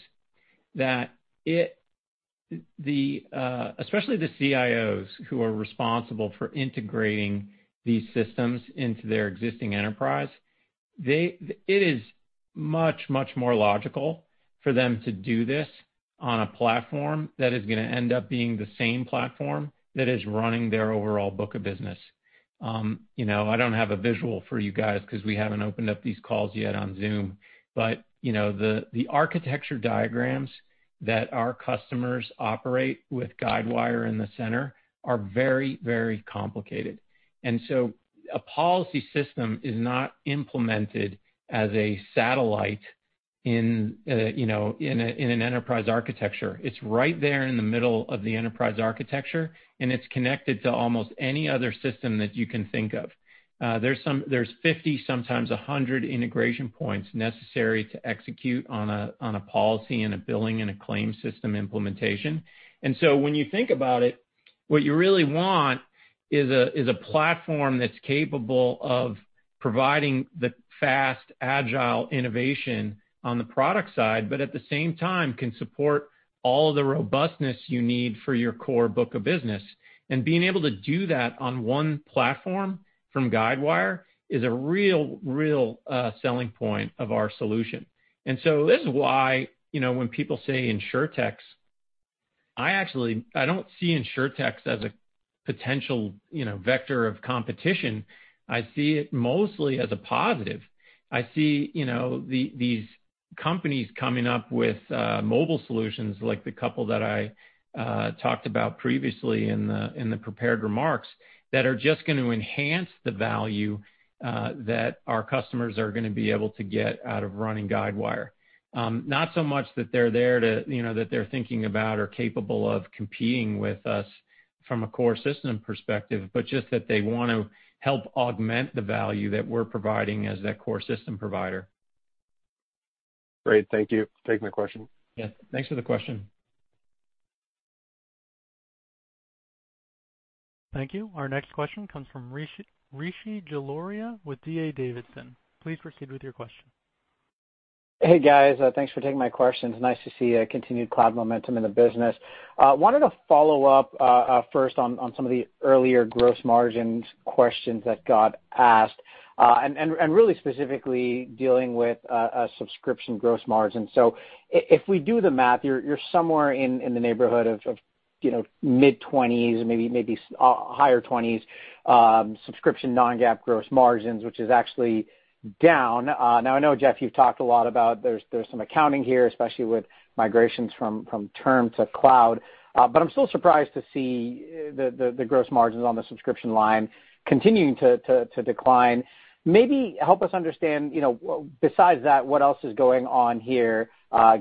that especially the CIOs who are responsible for integrating these systems into their existing enterprise, it is much, much more logical for them to do this on a platform that is going to end up being the same platform that is running their overall book of business. I don't have a visual for you guys because we haven't opened up these calls yet on Zoom. The architecture diagrams that our customers operate with Guidewire in the center are very, very complicated. A policy system is not implemented as a satellite in an enterprise architecture. It's right there in the middle of the enterprise architecture, and it's connected to almost any other system that you can think of. There's 50, sometimes 100 integration points necessary to execute on a policy and a billing and a claim system implementation. When you think about it, what you really want is a platform that's capable of providing the fast, agile innovation on the product side, but at the same time can support all the robustness you need for your core book of business. Being able to do that on one platform from Guidewire is a real selling point of our solution. This is why when people say Insurtech, I don't see Insurtech as a potential vector of competition. I see it mostly as a positive. I see these companies coming up with mobile solutions like the couple that I talked about previously in the prepared remarks that are just going to enhance the value that our customers are going to be able to get out of running Guidewire. Not so much that they're there to that they're thinking about or capable of competing with us from a core system perspective, but just that they want to help augment the value that we're providing as that core system provider. Great. Thank you. Thanks for the question. Yeah. Thanks for the question. Thank you. Our next question comes from Rishi Jaluria with D.A. Davidson. Please proceed with your question. Hey, guys. Thanks for taking my questions. Nice to see a continued cloud momentum in the business. Wanted to follow up first on some of the earlier gross margins questions that got asked, and really specifically dealing with a subscription gross margin. If we do the math, you're somewhere in the neighborhood of mid-20s, maybe higher 20s subscription non-GAAP gross margins, which is actually down. I know, Jeff, you've talked a lot about there's some accounting here, especially with migrations from term to cloud. I'm still surprised to see the gross margins on the subscription line continuing to decline. Maybe help us understand, besides that, what else is going on here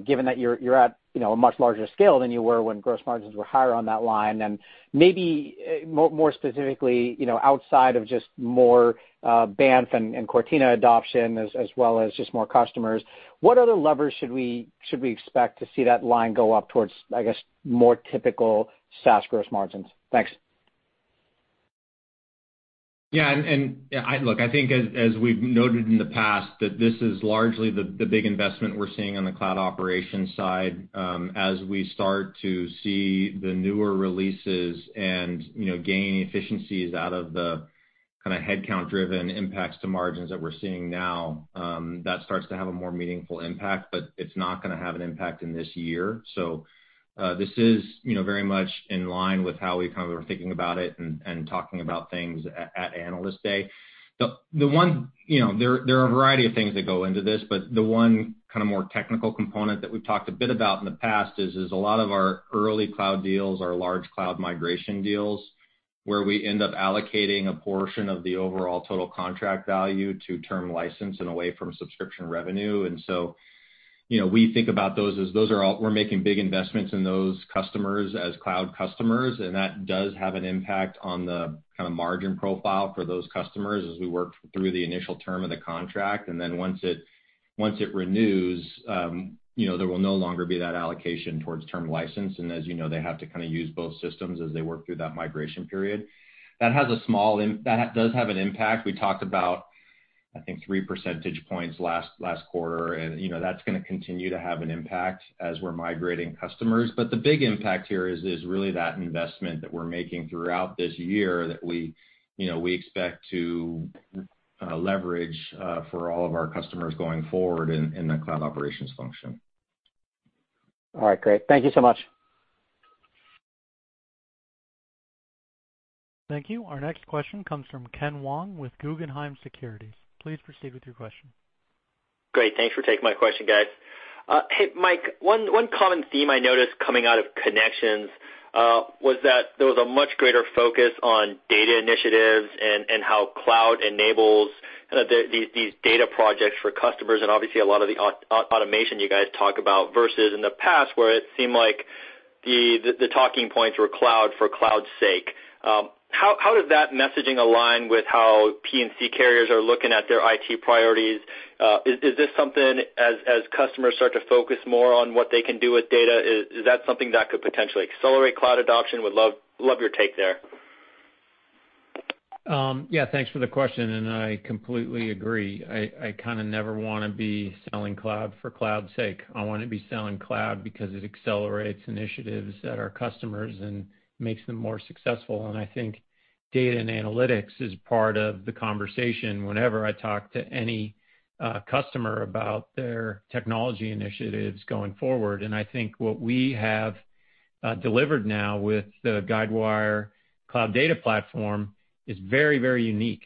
given that you're at a much larger scale than you were when gross margins were higher on that line. Maybe more specifically, outside of just more Banff and Cortina adoption as well as just more customers, what other levers should we expect to see that line go up towards, I guess, more typical SaaS gross margins? Thanks. Look, I think as we've noted in the past, that this is largely the big investment we're seeing on the cloud operations side. As we start to see the newer releases and gain efficiencies out of the kind of headcount-driven impacts to margins that we're seeing now, that starts to have a more meaningful impact, but it's not going to have an impact in this year. This is very much in line with how we kind of were thinking about it and talking about things at Analyst Day. There are a variety of things that go into this, but the one kind of more technical component that we've talked a bit about in the past is a lot of our early cloud deals are large cloud migration deals where we end up allocating a portion of the overall total contract value to term license and away from subscription revenue. We think about those as we're making big investments in those customers as cloud customers, and that does have an impact on the kind of margin profile for those customers as we work through the initial term of the contract. Once it renews, there will no longer be that allocation towards term license. As you know, they have to kind of use both systems as they work through that migration period. That does have an impact. We talked about, I think, three percentage points last quarter. That's going to continue to have an impact as we're migrating customers. The big impact here is really that investment that we're making throughout this year that we expect to leverage for all of our customers going forward in the cloud operations function. All right, great. Thank you so much. Thank you. Our next question comes from Ken Wong with Guggenheim Securities. Please proceed with your question. Great. Thanks for taking my question, guys. Hey, Mike, one common theme I noticed coming out of Connections was that there was a much greater focus on data initiatives and how Cloud enables kind of these data projects for customers, and obviously a lot of the automation you guys talk about versus in the past where it seemed like the talking points were Cloud for Cloud's sake. How does that messaging align with how P&C carriers are looking at their IT priorities? Is this something, as customers start to focus more on what they can do with data, is that something that could potentially accelerate Cloud adoption? Would love your take there. Yeah, thanks for the question. I completely agree. I kind of never want to be selling cloud for cloud's sake. I want to be selling cloud because it accelerates initiatives at our customers and makes them more successful. I think data and analytics is part of the conversation whenever I talk to any customer about their technology initiatives going forward. I think what we have delivered now with the Guidewire Data Platform is very unique.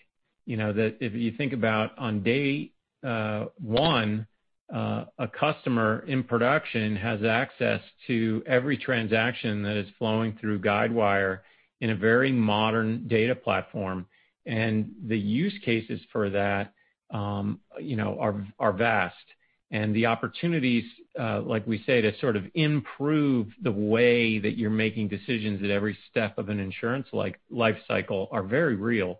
If you think about on day one, a customer in production has access to every transaction that is flowing through Guidewire in a very modern data platform. The use cases for that are vast, and the opportunities, like we say, to sort of improve the way that you're making decisions at every step of an insurance life cycle are very real.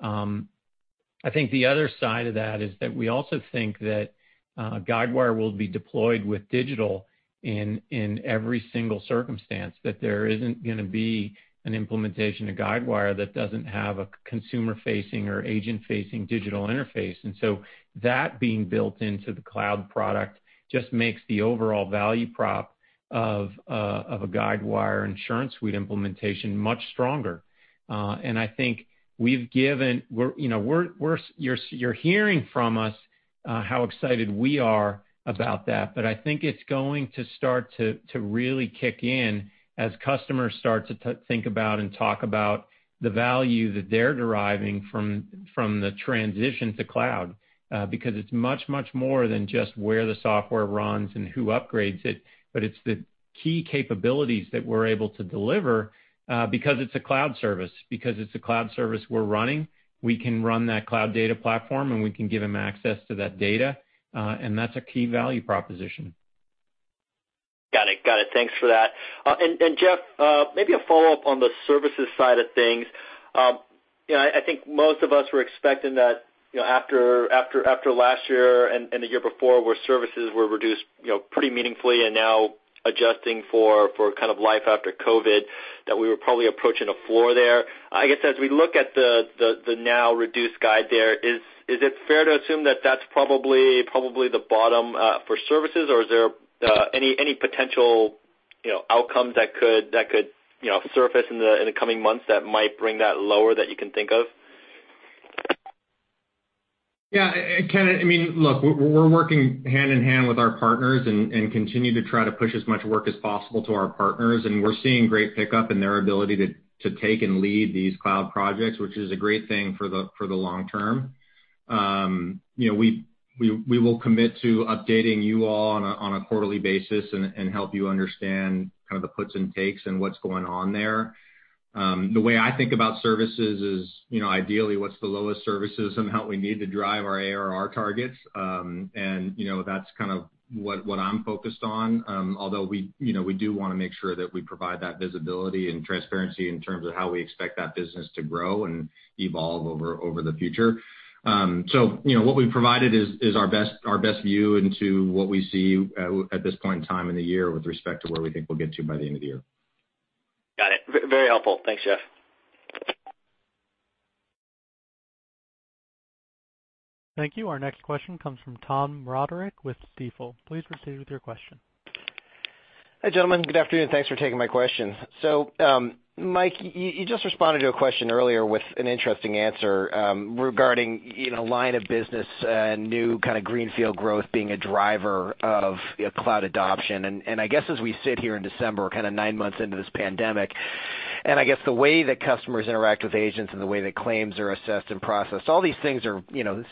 I think the other side of that is that we also think that Guidewire will be deployed with digital in every single circumstance, that there isn't going to be an implementation of Guidewire that doesn't have a consumer-facing or agent-facing digital interface. That being built into the cloud product just makes the overall value prop of a Guidewire InsuranceSuite implementation much stronger. I think you're hearing from us how excited we are about that. I think it's going to start to really kick in as customers start to think about and talk about the value that they're deriving from the transition to cloud. It's much more than just where the software runs and who upgrades it, but it's the key capabilities that we're able to deliver because it's a cloud service. Because it's a cloud service we're running, we can run that Guidewire Cloud Data Platform, and we can give them access to that data, and that's a key value proposition. Got it. Thanks for that. Jeff, maybe a follow-up on the services side of things. I think most of us were expecting that after last year and the year before, where services were reduced pretty meaningfully and now adjusting for kind of life after COVID, that we were probably approaching a floor there. I guess as we look at the now reduced guide there, is it fair to assume that's probably the bottom for services, or is there any potential outcomes that could surface in the coming months that might bring that lower that you can think of? Yeah, Ken, look, we're working hand-in-hand with our partners and continue to try to push as much work as possible to our partners, and we're seeing great pickup in their ability to take and lead these cloud projects, which is a great thing for the long term. We will commit to updating you all on a quarterly basis and help you understand kind of the puts and takes and what's going on there. The way I think about services is ideally, what's the lowest services and how we need to drive our ARR targets. That's kind of what I'm focused on. Although we do want to make sure that we provide that visibility and transparency in terms of how we expect that business to grow and evolve over the future. What we've provided is our best view into what we see at this point in time in the year with respect to where we think we'll get to by the end of the year. Got it. Very helpful. Thanks, Jeff. Thank you. Our next question comes from Tom Roderick with Stifel. Please proceed with your question. Hi, gentlemen. Good afternoon. Thanks for taking my question. Mike, you just responded to a question earlier with an interesting answer regarding line of business and new kind of greenfield growth being a driver of cloud adoption. And I guess as we sit here in December, kind of nine months into this pandemic, and I guess the way that customers interact with agents and the way that claims are assessed and processed, all these things are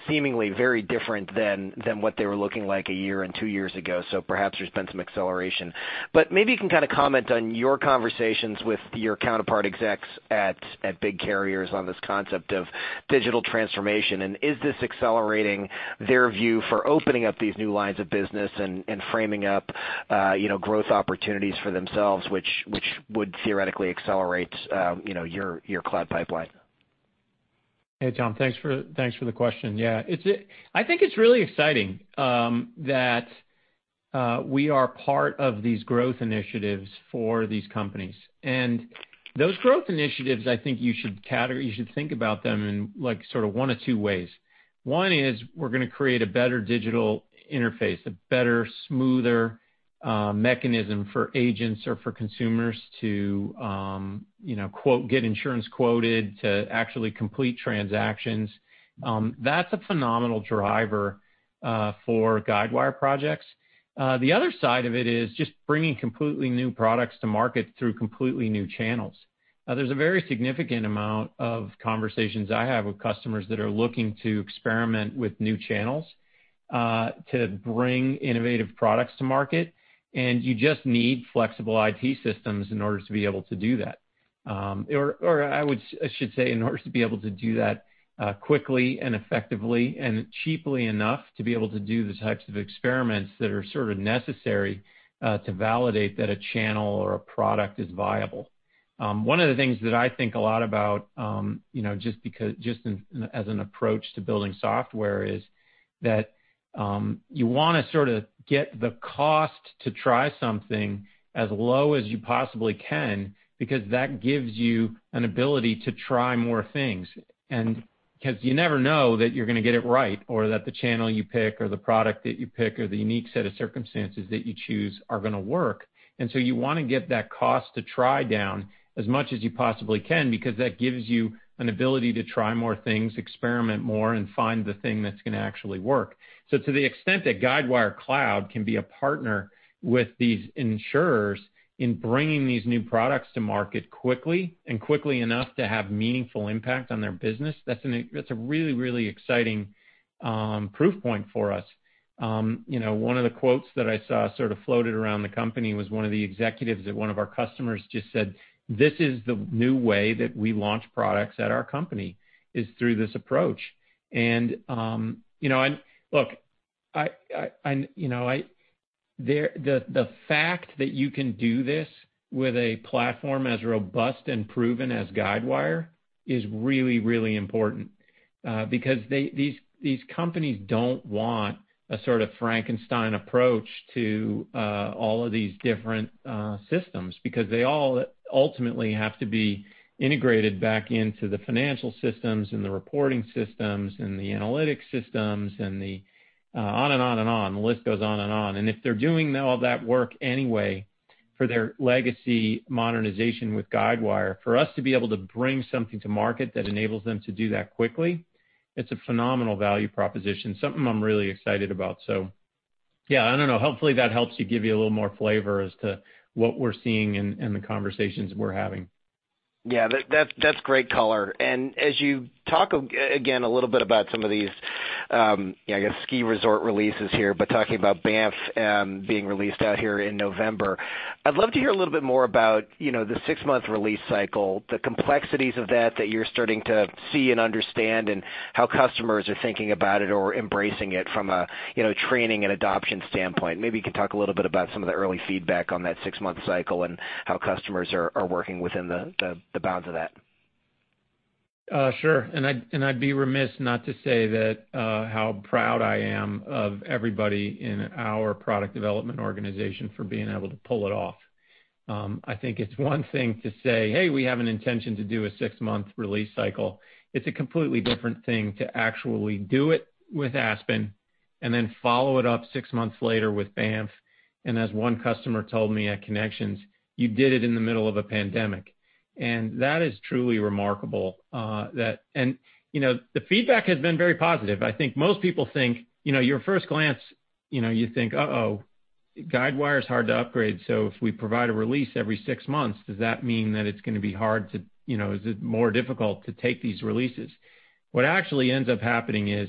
seemingly very different than what they were looking like one year and two years ago. Perhaps there's been some acceleration. But maybe you can kind of comment on your conversations with your counterpart execs at big carriers on this concept of digital transformation, and is this accelerating their view for opening up these new lines of business and framing up growth opportunities for themselves, which would theoretically accelerate your cloud pipeline? Hey, Tom. Thanks for the question. Yeah. I think it's really exciting that we are part of these growth initiatives for these companies. Those growth initiatives, I think you should think about them in one of two ways. One is we're going to create a better digital interface, a better, smoother mechanism for agents or for consumers to "get insurance quoted," to actually complete transactions. That's a phenomenal driver for Guidewire projects. The other side of it is just bringing completely new products to market through completely new channels. There's a very significant amount of conversations I have with customers that are looking to experiment with new channels to bring innovative products to market, and you just need flexible IT systems in order to be able to do that. I should say, in order to be able to do that quickly and effectively and cheaply enough to be able to do the types of experiments that are sort of necessary to validate that a channel or a product is viable. One of the things that I think a lot about, just as an approach to building software, is that you want to sort of get the cost to try something as low as you possibly can, because that gives you an ability to try more things. Because you never know that you're going to get it right, or that the channel you pick or the product that you pick or the unique set of circumstances that you choose are going to work. You want to get that cost to try down as much as you possibly can, because that gives you an ability to try more things, experiment more, and find the thing that's going to actually work. To the extent that Guidewire Cloud can be a partner with these insurers in bringing these new products to market quickly, and quickly enough to have meaningful impact on their business, that's a really exciting proof point for us. One of the quotes that I saw sort of floated around the company was one of the executives at one of our customers just said, "This is the new way that we launch products at our company, is through this approach." Look, the fact that you can do this with a platform as robust and proven as Guidewire is really important. These companies don't want a sort of Frankenstein approach to all of these different systems, because they all ultimately have to be integrated back into the financial systems and the reporting systems and the analytics systems and the on and on. The list goes on and on. If they're doing all that work anyway, for their legacy modernization with Guidewire, for us to be able to bring something to market that enables them to do that quickly, it's a phenomenal value proposition, something I'm really excited about. Yeah, I don't know. Hopefully, that helps to give you a little more flavor as to what we're seeing and the conversations we're having. Yeah. That's great color. As you talk again a little bit about some of these, I guess, ski resort releases here, but talking about Banff being released out here in November. I'd love to hear a little bit more about the six-month release cycle, the complexities of that that you're starting to see and understand, and how customers are thinking about it or embracing it from a training and adoption standpoint. Maybe you could talk a little bit about some of the early feedback on that six-month cycle and how customers are working within the bounds of that. Sure. I'd be remiss not to say how proud I am of everybody in our product development organization for being able to pull it off. I think it's one thing to say, "Hey, we have an intention to do a six-month release cycle." It's a completely different thing to actually do it with Aspen and then follow it up six months later with Banff. As one customer told me at Connections, "You did it in the middle of a pandemic." That is truly remarkable. The feedback has been very positive. I think most people think, your first glance, you think, "Uh-oh, Guidewire's hard to upgrade, so if we provide a release every six months, does that mean that it's going to be more difficult to take these releases?" What actually ends up happening is,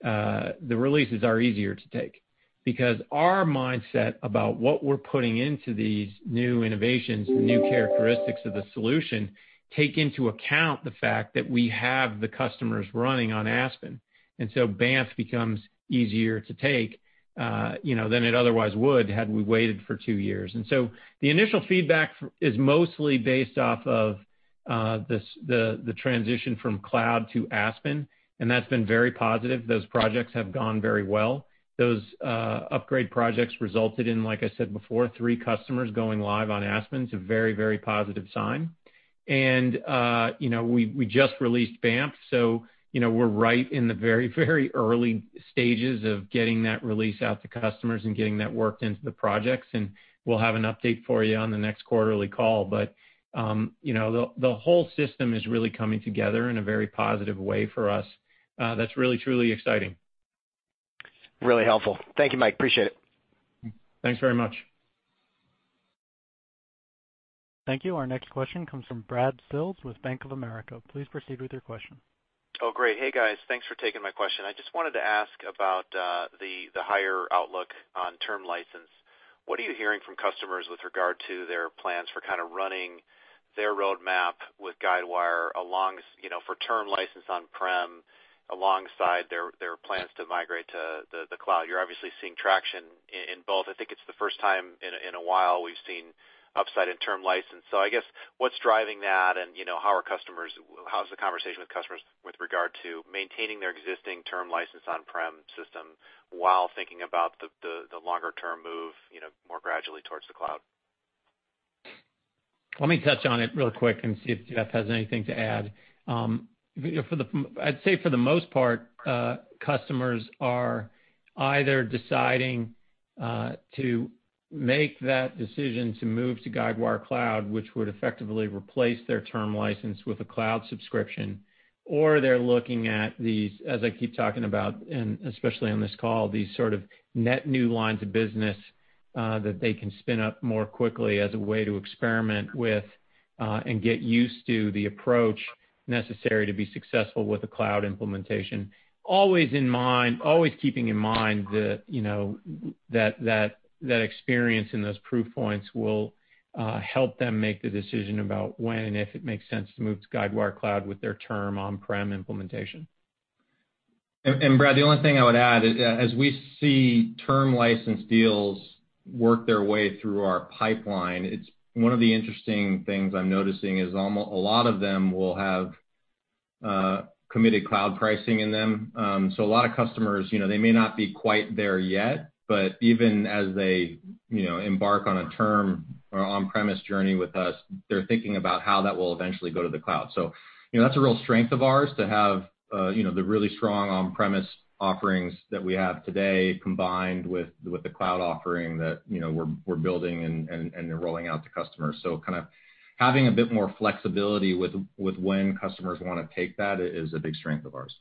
the releases are easier to take because our mindset about what we're putting into these new innovations, the new characteristics of the solution, take into account the fact that we have the customers running on Aspen. Banff becomes easier to take than it otherwise would, had we waited for two years. The initial feedback is mostly based off of the transition from cloud to Aspen, and that's been very positive. Those projects have gone very well. Those upgrade projects resulted in, like I said before, three customers going live on Aspen. It's a very positive sign. We just released Banff, we're right in the very early stages of getting that release out to customers and getting that worked into the projects. We'll have an update for you on the next quarterly call. The whole system is really coming together in a very positive way for us. That's really, truly exciting. Really helpful. Thank you, Mike. Appreciate it. Thanks very much. Thank you. Our next question comes from Brad Sills with Bank of America. Please proceed with your question. Oh, great. Hey, guys. Thanks for taking my question. I just wanted to ask about the higher outlook on term license. What are you hearing from customers with regard to their plans for kind of running their roadmap with Guidewire for term license on-prem alongside their plans to migrate to the cloud? You're obviously seeing traction in both. I think it's the first time in a while we've seen upside in term license. I guess, what's driving that? How's the conversation with customers with regard to maintaining their existing term license on-prem system while thinking about the longer-term move more gradually towards the cloud? Let me touch on it real quick and see if Jeff has anything to add. I'd say for the most part, customers are either deciding to make that decision to move to Guidewire Cloud, which would effectively replace their term license with a cloud subscription, or they're looking at these, as I keep talking about, and especially on this call, these sort of net new lines of business that they can spin up more quickly as a way to experiment with and get used to the approach necessary to be successful with the cloud implementation. Always keeping in mind that experience and those proof points will help them make the decision about when and if it makes sense to move to Guidewire Cloud with their term on-prem implementation. Brad, the only thing I would add is, as we see term license deals work their way through our pipeline, one of the interesting things I'm noticing is a lot of them will have committed cloud pricing in them. A lot of customers, they may not be quite there yet, but even as they embark on a term or on-premise journey with us, they're thinking about how that will eventually go to the cloud. That's a real strength of ours to have the really strong on-premise offerings that we have today combined with the cloud offering that we're building and then rolling out to customers. Kind of having a bit more flexibility with when customers want to take that is a big strength of ours.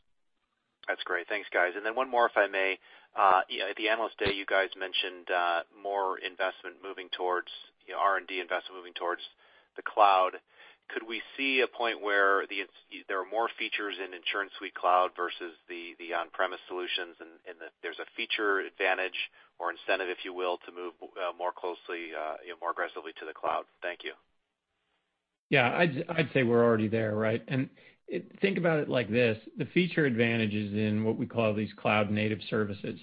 That's great. Thanks, guys. Then one more, if I may. At the Analyst Day, you guys mentioned more R&D investment moving towards the cloud. Could we see a point where there are more features in InsuranceSuite Cloud versus the on-premise solutions, and there's a feature advantage or incentive, if you will, to move more closely, more aggressively to the cloud? Thank you. Yeah, I'd say we're already there, right? Think about it like this, the feature advantage is in what we call these cloud-native services.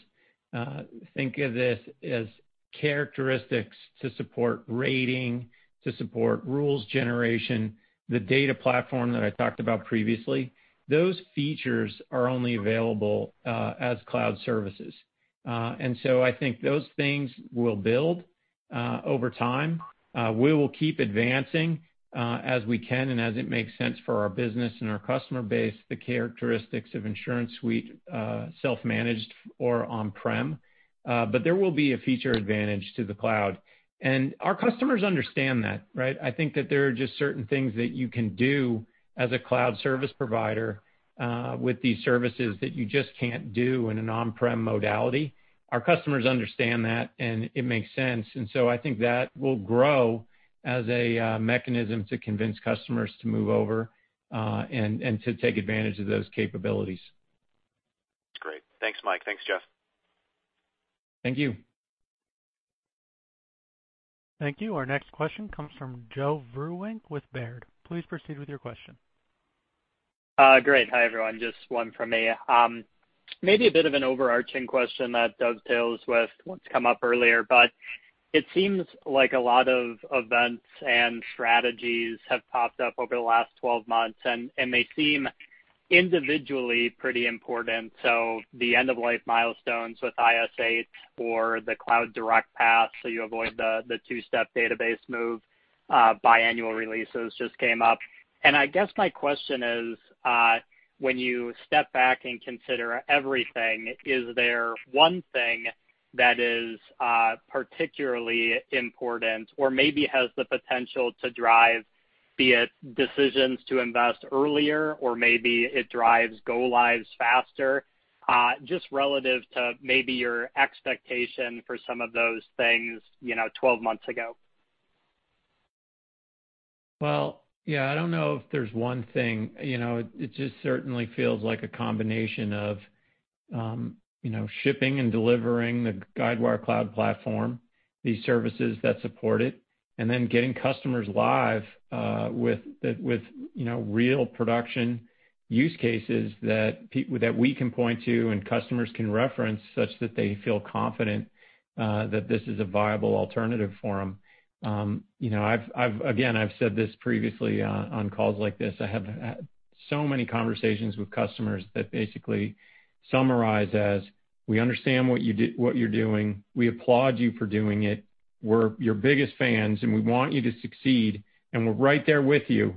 Think of this as characteristics to support rating, to support rules generation, the data platform that I talked about previously. Those features are only available as cloud services. I think those things will build over time. We will keep advancing as we can and as it makes sense for our business and our customer base, the characteristics of InsuranceSuite, self-managed or on-prem. There will be a feature advantage to the cloud. Our customers understand that, right? I think that there are just certain things that you can do as a cloud service provider with these services that you just can't do in an on-prem modality. Our customers understand that, and it makes sense. I think that will grow as a mechanism to convince customers to move over and to take advantage of those capabilities. That's great. Thanks, Mike. Thanks, Jeff. Thank you. Thank you. Our next question comes from Joe Vruwink with Baird. Please proceed with your question. Great. Hi, everyone. Just one from me. Maybe a bit of an overarching question that dovetails with what's come up earlier, it seems like a lot of events and strategies have popped up over the last 12 months, and they seem individually pretty important. The end-of-life milestones with IS8 or the CloudDirect path, so you avoid the two-step database move, biannual releases just came up. I guess my question is, when you step back and consider everything, is there one thing that is particularly important or maybe has the potential to drive, be it decisions to invest earlier, or maybe it drives go-lives faster? Just relative to maybe your expectation for some of those things 12 months ago. Yeah, I don't know if there's one thing. It just certainly feels like a combination of shipping and delivering the Guidewire Cloud Platform, these services that support it, and then getting customers live with real production use cases that we can point to and customers can reference such that they feel confident that this is a viable alternative for them. I've said this previously on calls like this, I have had so many conversations with customers that basically summarize as, "We understand what you're doing. We applaud you for doing it. We're your biggest fans, and we want you to succeed, and we're right there with you.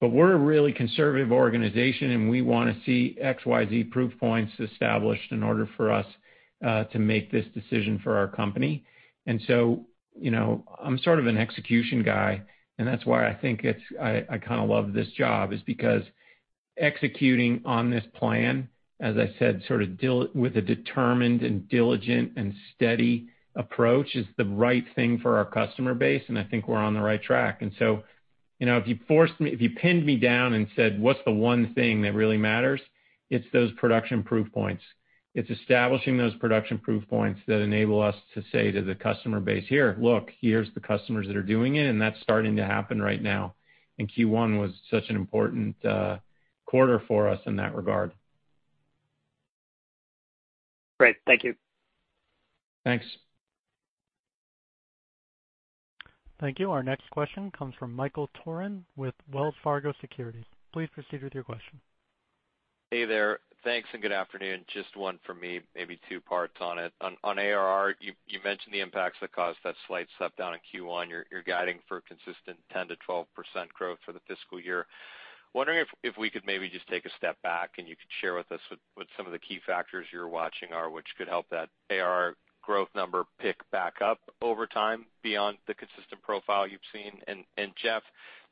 We're a really conservative organization, and we want to see X, Y, Z proof points established in order for us to make this decision for our company." I'm sort of an execution guy, and that's why I think I kind of love this job, is because executing on this plan, as I said, sort of with a determined and diligent and steady approach is the right thing for our customer base, and I think we're on the right track. If you pinned me down and said, "What's the one thing that really matters?" It's those production proof points. It's establishing those production proof points that enable us to say to the customer base, "Here, look, here's the customers that are doing it," and that's starting to happen right now. Q1 was such an important quarter for us in that regard. Great. Thank you. Thanks. Thank you. Our next question comes from Michael Turrin with Wells Fargo Securities. Please proceed with your question. Hey there. Thanks. Good afternoon. Just one from me, maybe two parts on it. On ARR, you mentioned the impacts that caused that slight step down in Q1. You're guiding for consistent 10%-12% growth for the fiscal year. Wondering if we could maybe just take a step back and you could share with us what some of the key factors you're watching are which could help that ARR growth number pick back up over time beyond the consistent profile you've seen. Jeff,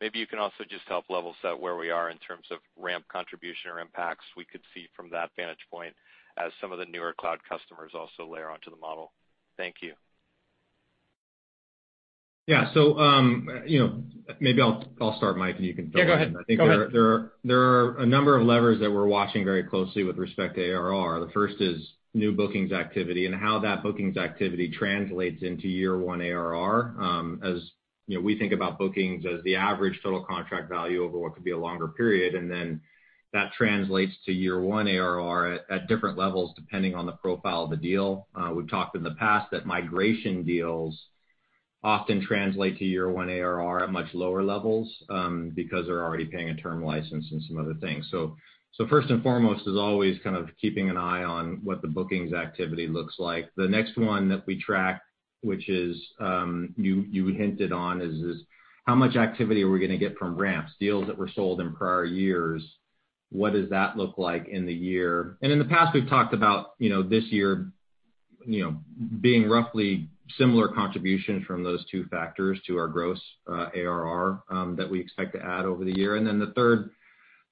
maybe you can also just help level set where we are in terms of ramp contribution or impacts we could see from that vantage point as some of the newer cloud customers also layer onto the model. Thank you. Yeah. Maybe I'll start, Mike, and you can fill in. Yeah, go ahead. I think there are a number of levers that we're watching very closely with respect to ARR. The first is new bookings activity and how that bookings activity translates into year one ARR. As we think about bookings as the average total contract value over what could be a longer period, and then that translates to year one ARR at different levels depending on the profile of the deal. We've talked in the past that migration deals often translate to year one ARR at much lower levels because they're already paying a term license and some other things. So first and foremost is always kind of keeping an eye on what the bookings activity looks like. The next one that we track, which you hinted on, is how much activity are we going to get from ramps, deals that were sold in prior years? What does that look like in the year? In the past, we've talked about this year being roughly similar contributions from those two factors to our gross ARR that we expect to add over the year. Then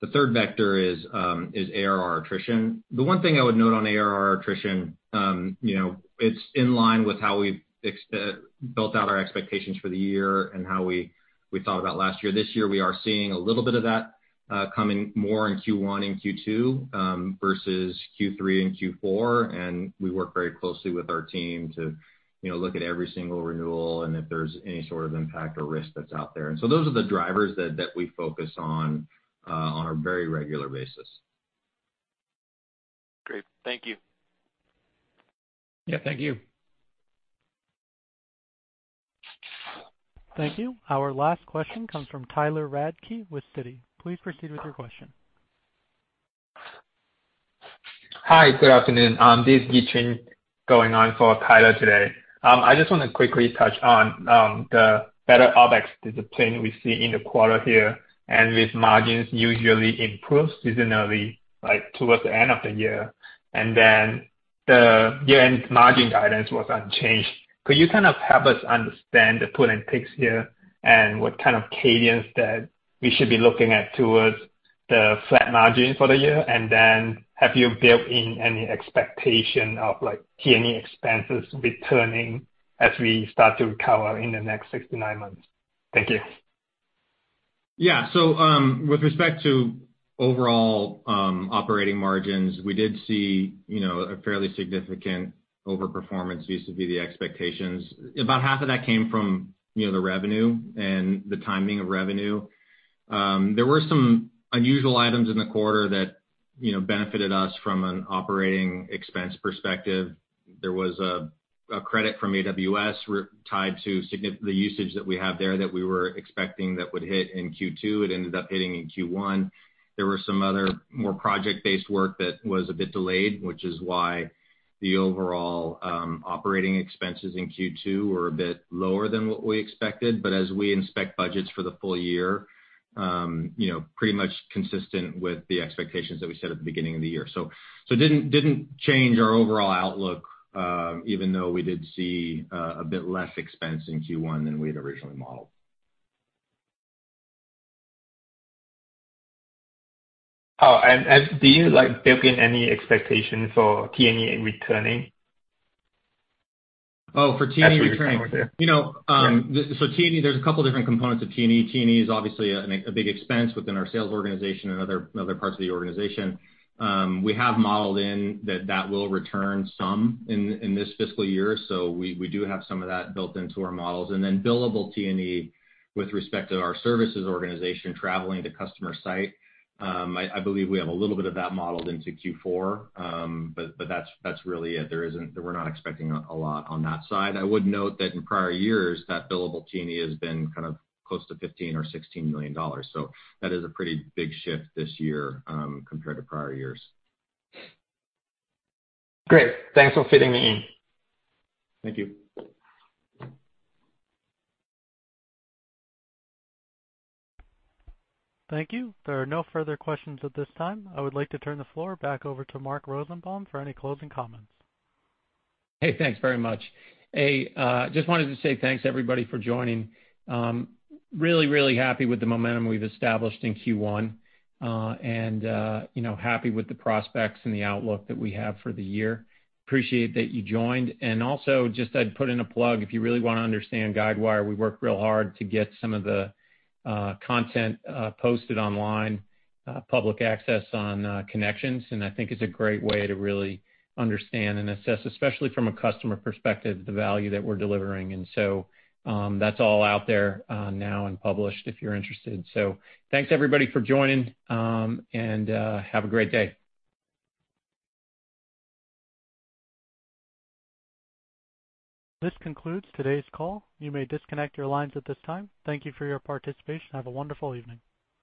the third vector is ARR attrition. The one thing I would note on ARR attrition, it's in line with how we've built out our expectations for the year and how we thought about last year. This year, we are seeing a little bit of that coming more in Q1 and Q2 versus Q3 and Q4, and we work very closely with our team to look at every single renewal and if there's any sort of impact or risk that's out there. Those are the drivers that we focus on a very regular basis. Great. Thank you. Yeah, thank you. Thank you. Our last question comes from Tyler Radke with Citi. Please proceed with your question. Hi, good afternoon. This is Yichun going on for Tyler today. I just want to quickly touch on the better OpEx discipline we see in the quarter here, and with margins usually improve seasonally towards the end of the year. The year-end margin guidance was unchanged. Could you kind of help us understand the pull and picks here and what kind of cadence that we should be looking at towards the flat margin for the year? Have you built in any expectation of T&E expenses returning as we start to recover in the next six to nine months? Thank you. Yeah. With respect to overall operating margins, we did see a fairly significant overperformance vis-a-vis the expectations. About half of that came from the revenue and the timing of revenue. There were some unusual items in the quarter that benefited us from an operating expense perspective. There was a credit from AWS tied to the usage that we have there that we were expecting that would hit in Q2. It ended up hitting in Q1. There were some other more project-based work that was a bit delayed, which is why the overall operating expenses in Q2 were a bit lower than what we expected. As we inspect budgets for the full year, pretty much consistent with the expectations that we set at the beginning of the year. Didn't change our overall outlook, even though we did see a bit less expense in Q1 than we had originally modeled. Oh, do you build in any expectation for T&E returning? Oh, for T&E returning? [inaudible] T&E, there's a couple different components of T&E. T&E is obviously a big expense within our sales organization and other parts of the organization. We have modeled in that that will return some in this fiscal year. We do have some of that built into our models. Billable T&E with respect to our services organization traveling to customer site, I believe we have a little bit of that modeled into Q4. That's really it. We're not expecting a lot on that side. I would note that in prior years, that billable T&E has been kind of close to $15 million-$16 million. That is a pretty big shift this year compared to prior years. Great. Thanks for fitting me in. Thank you. Thank you. There are no further questions at this time. I would like to turn the floor back over to Mike Rosenbaum for any closing comments. Hey, thanks very much. Just wanted to say thanks everybody for joining. Really happy with the momentum we've established in Q1. Happy with the prospects and the outlook that we have for the year. Appreciate that you joined. Also, just I'd put in a plug, if you really want to understand Guidewire, we work real hard to get some of the content posted online, public access on Connections. I think it's a great way to really understand and assess, especially from a customer perspective, the value that we're delivering. That's all out there now and published if you're interested. Thanks everybody for joining and have a great day. This concludes today's call. You may disconnect your lines at this time. Thank you for your participation and have a wonderful evening.